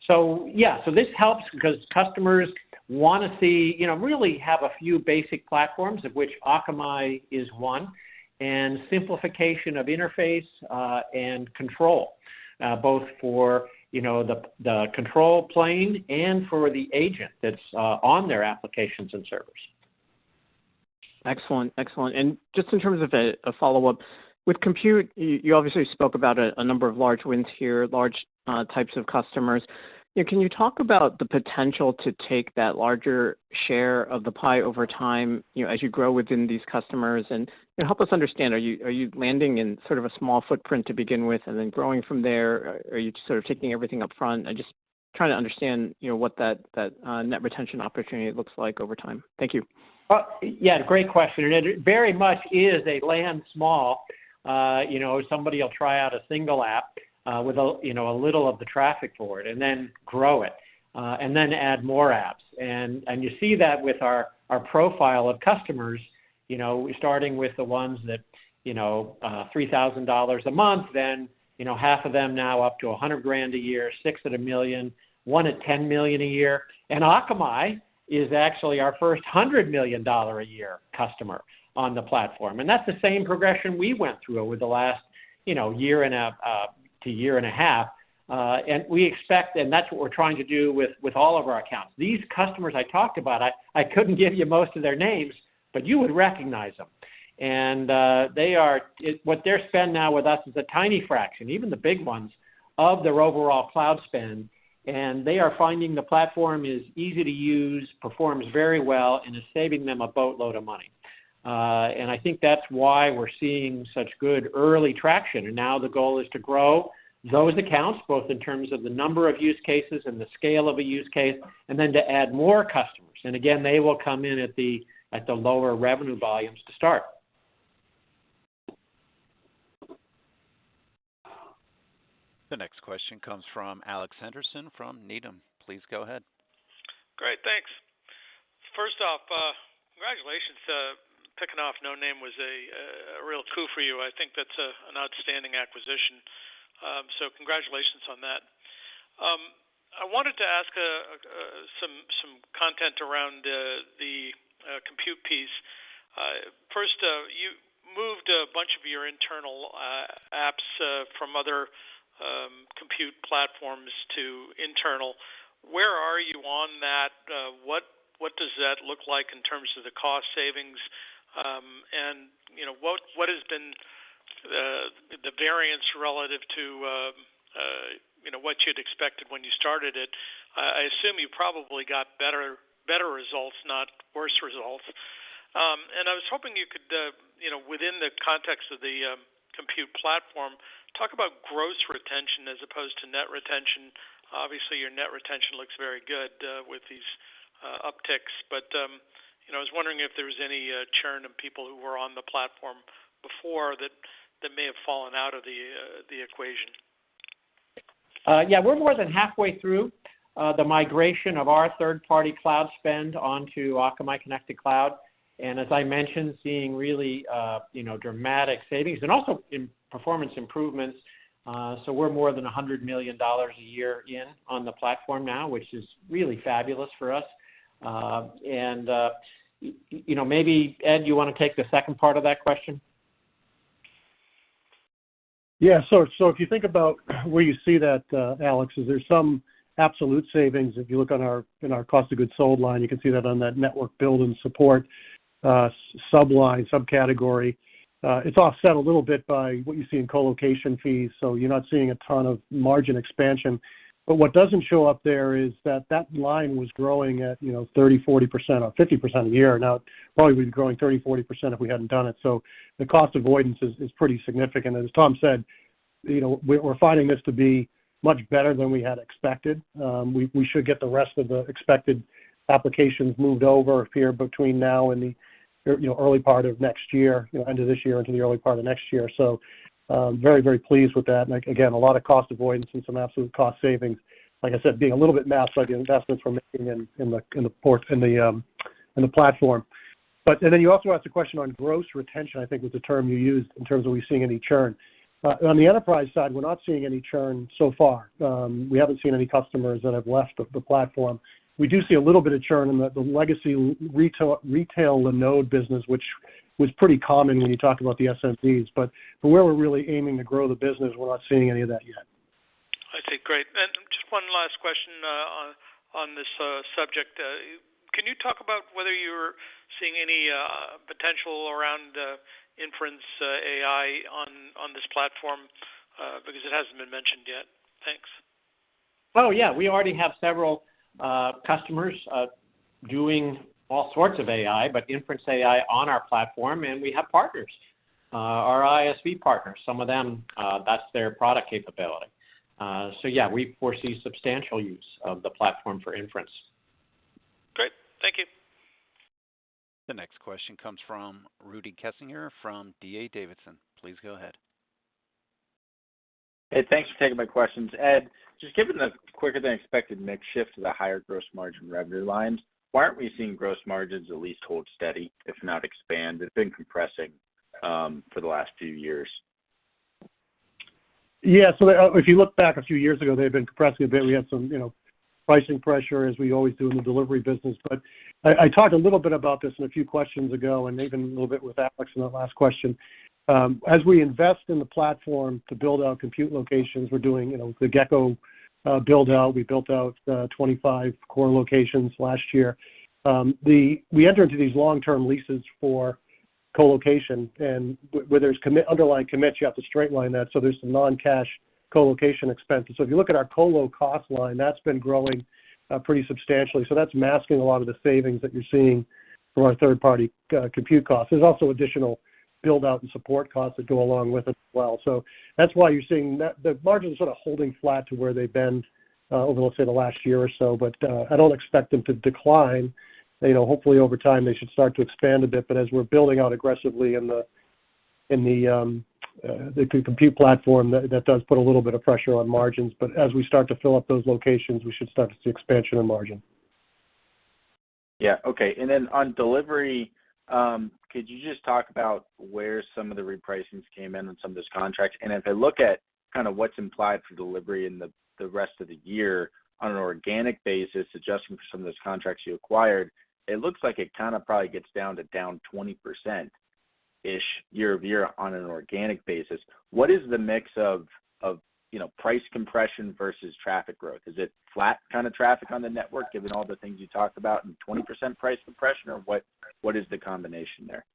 Speaker 3: So yeah, so this helps because customers want to see, you know, really have a few basic platforms, of which Akamai is one, and simplification of interface, and control, both for, you know, the control plane and for the agent that's on their applications and servers.
Speaker 12: Excellent, excellent. And just in terms of a follow-up, with Compute, you obviously spoke about a number of large wins here, large types of customers. Can you talk about the potential to take that larger share of the pie over time, you know, as you grow within these customers? And help us understand, are you landing in sort of a small footprint to begin with and then growing from there, or are you just sort of taking everything up front? I'm just trying to understand, you know, what that net retention opportunity looks like over time. Thank you.
Speaker 3: Yeah, great question. And it very much is a land small. You know, somebody will try out a single app with, you know, a little of the traffic for it and then grow it and then add more apps. And you see that with our profile of customers, you know, starting with the ones that, you know, $3,000 a month, then, you know, half of them now up to $100,000 a year, six at $1 million, one at $10 million a year. And Akamai is actually our first $100 million-a-year customer on the platform. And that's the same progression we went through over the last, you know, year and a half. And we expect, and that's what we're trying to do with all of our accounts. These customers I talked about, I couldn't give you most of their names, but you would recognize them. And what their spend now with us is a tiny fraction, even the big ones, of their overall cloud spend, and they are finding the platform is easy to use, performs very well, and is saving them a boatload of money. And I think that's why we're seeing such good early traction. And now the goal is to grow those accounts, both in terms of the number of use cases and the scale of a use case, and then to add more customers. And again, they will come in at the lower revenue volumes to start.
Speaker 1: The next question comes from Alex Henderson from Needham. Please go ahead.
Speaker 13: Great, thanks. First off, congratulations, picking off Noname was a real coup for you. I think that's an outstanding acquisition. So congratulations on that. I wanted to ask some content around the Compute piece. First, you moved a bunch of your internal apps from other Compute platforms to internal. Where are you on that? What does that look like in terms of the cost savings? And, you know, what has been the variance relative to, you know, what you'd expected when you started it? I assume you probably got better results, not worse results. And I was hoping you could, you know, within the context of the Compute platform, talk about gross retention as opposed to net retention. Obviously, your net retention looks very good, with these upticks. But, you know, I was wondering if there was any churn in people who were on the platform before that, that may have fallen out of the equation?
Speaker 3: Yeah, we're more than halfway through the migration of our third-party cloud spend onto Akamai Connected Cloud. And as I mentioned, seeing really, you know, dramatic savings and also performance improvements. So we're more than $100 million a year in on the platform now, which is really fabulous for us. And you know, maybe, Ed, you want to take the second part of that question?
Speaker 4: Yeah, sure. So if you think about where you see that, Alex, is there's some absolute savings. If you look on our, in our cost of goods sold line, you can see that on that network build and support subline, subcategory. It's offset a little bit by what you see in co-location fees, so you're not seeing a ton of margin expansion. But what doesn't show up there is that that line was growing at, you know, 30, 40% or 50% a year. Now, it probably would be growing 30, 40% if we hadn't done it. So the cost avoidance is pretty significant. And as Tom said, you know, we're finding this to be much better than we had expected. We should get the rest of the expected applications moved over here between now and the early part of next year, you know, end of this year into the early part of next year. So, very, very pleased with that. And again, a lot of cost avoidance and some absolute cost savings. Like I said, being a little bit math, so the investments we're making in the platform. And then you also asked a question on gross retention, I think, was the term you used in terms of we seeing any churn. On the enterprise side, we're not seeing any churn so far. We haven't seen any customers that have left the platform. We do see a little bit of churn in the legacy retail Linode business, which was pretty common when you talked about the SMEs, but where we're really aiming to grow the business, we're not seeing any of that yet.
Speaker 13: I see. Great. Just one last question, on this subject. Can you talk about whether you're seeing any potential around inference AI on this platform? Because it hasn't been mentioned yet. Thanks.
Speaker 3: Oh, yeah, we already have several customers doing all sorts of AI, but inference AI on our platform, and we have partners, our ISV partners. Some of them, that's their product capability. So yeah, we foresee substantial use of the platform for inference.
Speaker 13: Great. Thank you.
Speaker 1: The next question comes from Rudy Kessinger from D.A. Davidson. Please go ahead.
Speaker 14: Hey, thanks for taking my questions. Ed, just given the quicker than expected mix shift to the higher gross margin revenue lines, why aren't we seeing gross margins at least hold steady, if not expand? It's been compressing for the last few years.
Speaker 4: Yeah, so if you look back a few years ago, they've been compressing a bit. We had some, you know, pricing pressure as we always do in the delivery business. But I talked a little bit about this in a few questions ago, and even a little bit with Alex in the last question. As we invest in the platform to build out compute locations, we're doing, you know, the Gecko build out. We built out 25 core locations last year. We enter into these long-term leases for co-location, and where there's underlying commits, you have to straight line that, so there's some non-cash co-location expenses. So if you look at our co-lo cost line, that's been growing pretty substantially. So that's masking a lot of the savings that you're seeing from our third-party compute costs. There's also additional build out and support costs that go along with it as well. So that's why you're seeing that the margins are sort of holding flat to where they've been over, let's say, the last year or so, but I don't expect them to decline. You know, hopefully, over time, they should start to expand a bit, but as we're building out aggressively in the compute platform, that does put a little bit of pressure on margins. But as we start to fill up those locations, we should start to see expansion and margin.
Speaker 14: Yeah. Okay. And then on delivery, could you just talk about where some of the repricings came in on some of those contracts? And as I look at kind of what's implied for delivery in the rest of the year on an organic basis, adjusting for some of those contracts you acquired, it looks like it kind of probably gets down to 20%-ish year-over-year on an organic basis. What is the mix of, you know, price compression versus traffic growth? Is it flat kind of traffic on the network, given all the things you talked about and 20% price compression, or what is the combination there?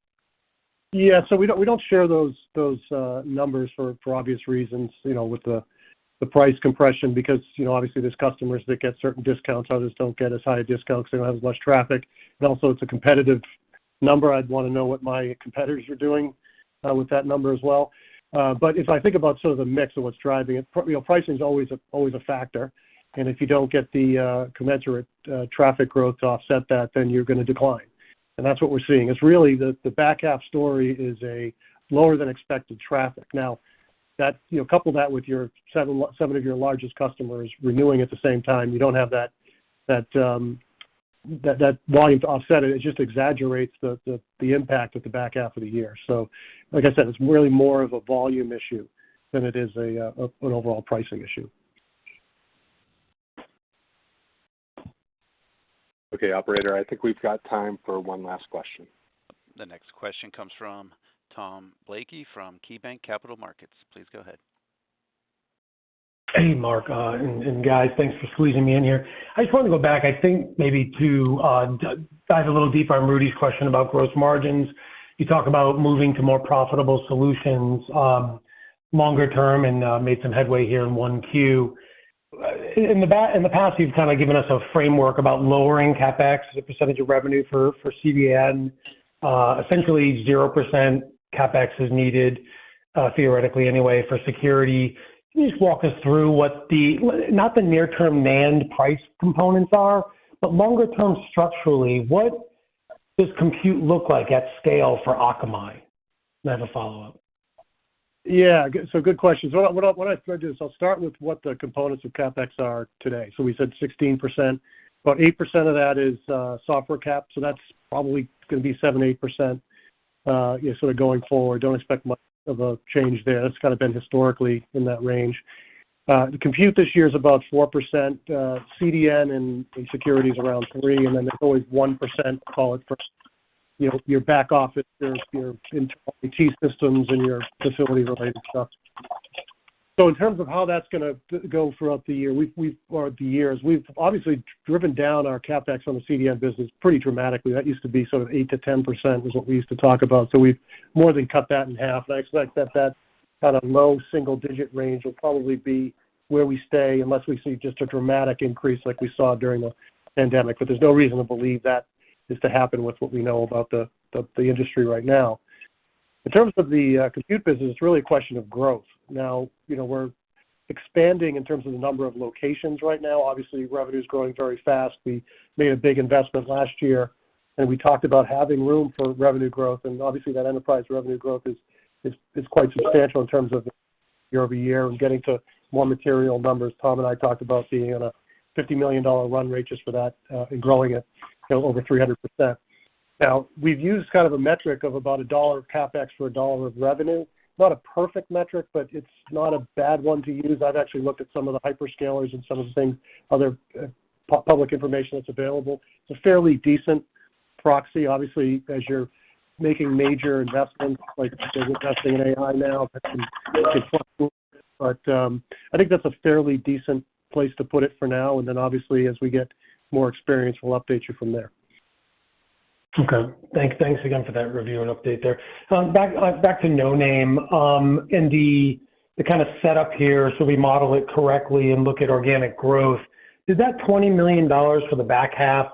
Speaker 4: Yeah, so we don't, we don't share those, those, numbers for, for obvious reasons, you know, with the, the price compression, because, you know, obviously, there's customers that get certain discounts, others don't get as high a discount because they don't have as much traffic. And also, it's a competitive number. I'd want to know what my competitors are doing with that number as well. But if I think about sort of the mix of what's driving it, you know, pricing is always a, always a factor, and if you don't get the, commensurate, traffic growth to offset that, then you're going to decline. And that's what we're seeing. It's really the, the back half story is a lower than expected traffic. Now, that you know, couple that with your seven of your largest customers renewing at the same time, you don't have that, that volume to offset it. It just exaggerates the impact of the back half of the year. So like I said, it's really more of a volume issue than it is a, an overall pricing issue.
Speaker 2: Okay, operator, I think we've got time for one last question.
Speaker 1: The next question comes from Tom Blakey from KeyBanc Capital Markets. Please go ahead.
Speaker 15: Hey, Mark, and guys, thanks for squeezing me in here. I just wanted to go back, I think maybe to dive a little deeper on Rudy's question about gross margins. You talk about moving to more profitable solutions, longer term, and made some headway here in 1Q. In the past, you've kind of given us a framework about lowering CapEx as a percentage of revenue for CDN, essentially 0% CapEx is needed, theoretically anyway, for security. Can you just walk us through what the, not the near-term margin components are, but longer-term structurally, what does Compute look like at scale for Akamai? And I have a follow-up.
Speaker 4: Yeah, so good question. So what I, what I'd do is I'll start with what the components of CapEx are today. So we said 16%, about 8% of that is software CapEx, so that's probably going to be 7%-8%, sort of going forward. Don't expect much of a change there. That's kind of been historically in that range. The Compute this year is about 4%, CDN and security is around 3%, and then there's always 1%, call it for, you know, your back office, your IT systems and your facility-related stuff. So in terms of how that's gonna go throughout the year, we've or the years, we've obviously driven down our CapEx on the CDN business pretty dramatically. That used to be sort of 8%-10%, is what we used to talk about. So we've more than cut that in half, and I expect that that kind of low single-digit range will probably be where we stay unless we see just a dramatic increase like we saw during the pandemic. But there's no reason to believe that is to happen with what we know about the industry right now. In terms of the Compute business, it's really a question of growth. Now, you know, we're expanding in terms of the number of locations right now. Obviously, revenue is growing very fast. We made a big investment last year, and we talked about having room for revenue growth, and obviously that enterprise revenue growth is quite substantial in terms of year-over-year and getting to more material numbers. Tom and I talked about being on a $50 million run rate just for that, and growing it, you know, over 300%. Now, we've used kind of a metric of about a dollar of CapEx for a dollar of revenue. It's not a perfect metric, but it's not a bad one to use. I've actually looked at some of the hyperscalers and some of the things, other public information that's available. It's a fairly decent proxy. Obviously, as you're making major investments, like investing in AI now, I think that's a fairly decent place to put it for now, and then obviously, as we get more experience, we'll update you from there.
Speaker 15: Okay. Thanks, thanks again for that review and update there. Back to Noname, and the kind of setup here, so we model it correctly and look at organic growth. Does that $20 million for the back half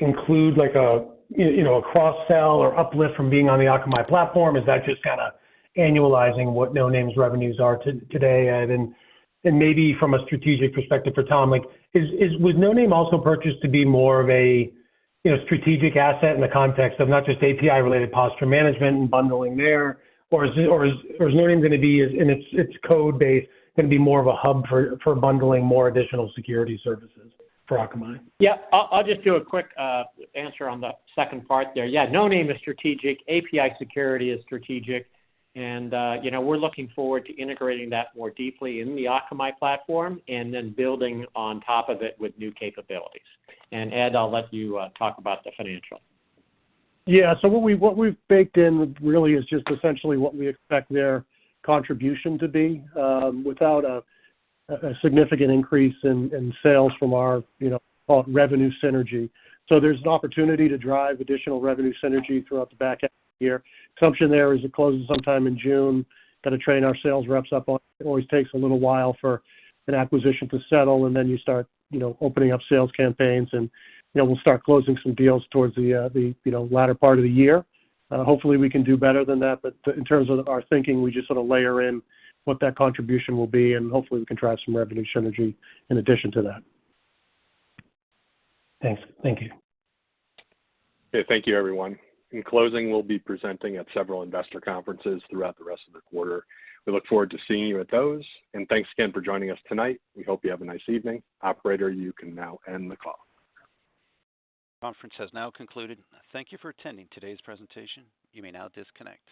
Speaker 15: include, like a, you know, a cross-sell or uplift from being on the Akamai platform? Is that just kind of annualizing what Noname's revenues are today, Ed? And maybe from a strategic perspective for Tom, like, is... Was Noname also purchased to be more of a, you know, strategic asset in the context of not just API-related posture management and bundling there, or is it, or is Noname going to be, in its code base, going to be more of a hub for bundling more additional security services for Akamai?
Speaker 3: Yeah. I'll, I'll just do a quick answer on the second part there. Yeah, Noname is strategic, API security is strategic, and, you know, we're looking forward to integrating that more deeply in the Akamai platform and then building on top of it with new capabilities. And Ed, I'll let you talk about the financial.
Speaker 4: Yeah, so what we've baked in really is just essentially what we expect their contribution to be, without a significant increase in sales from our, you know, revenue synergy. So there's an opportunity to drive additional revenue synergy throughout the back half of the year. Assumption there is it closes sometime in June. Got to train our sales reps up. It always takes a little while for an acquisition to settle, and then you start, you know, opening up sales campaigns and, you know, we'll start closing some deals towards the, the, you know, latter part of the year. Hopefully, we can do better than that, but in terms of our thinking, we just sort of layer in what that contribution will be, and hopefully, we can drive some revenue synergy in addition to that.
Speaker 15: Thanks. Thank you.
Speaker 2: Okay. Thank you, everyone. In closing, we'll be presenting at several investor conferences throughout the rest of the quarter. We look forward to seeing you at those, and thanks again for joining us tonight. We hope you have a nice evening. Operator, you can now end the call.
Speaker 1: Conference has now concluded. Thank you for attending today's presentation. You may now disconnect.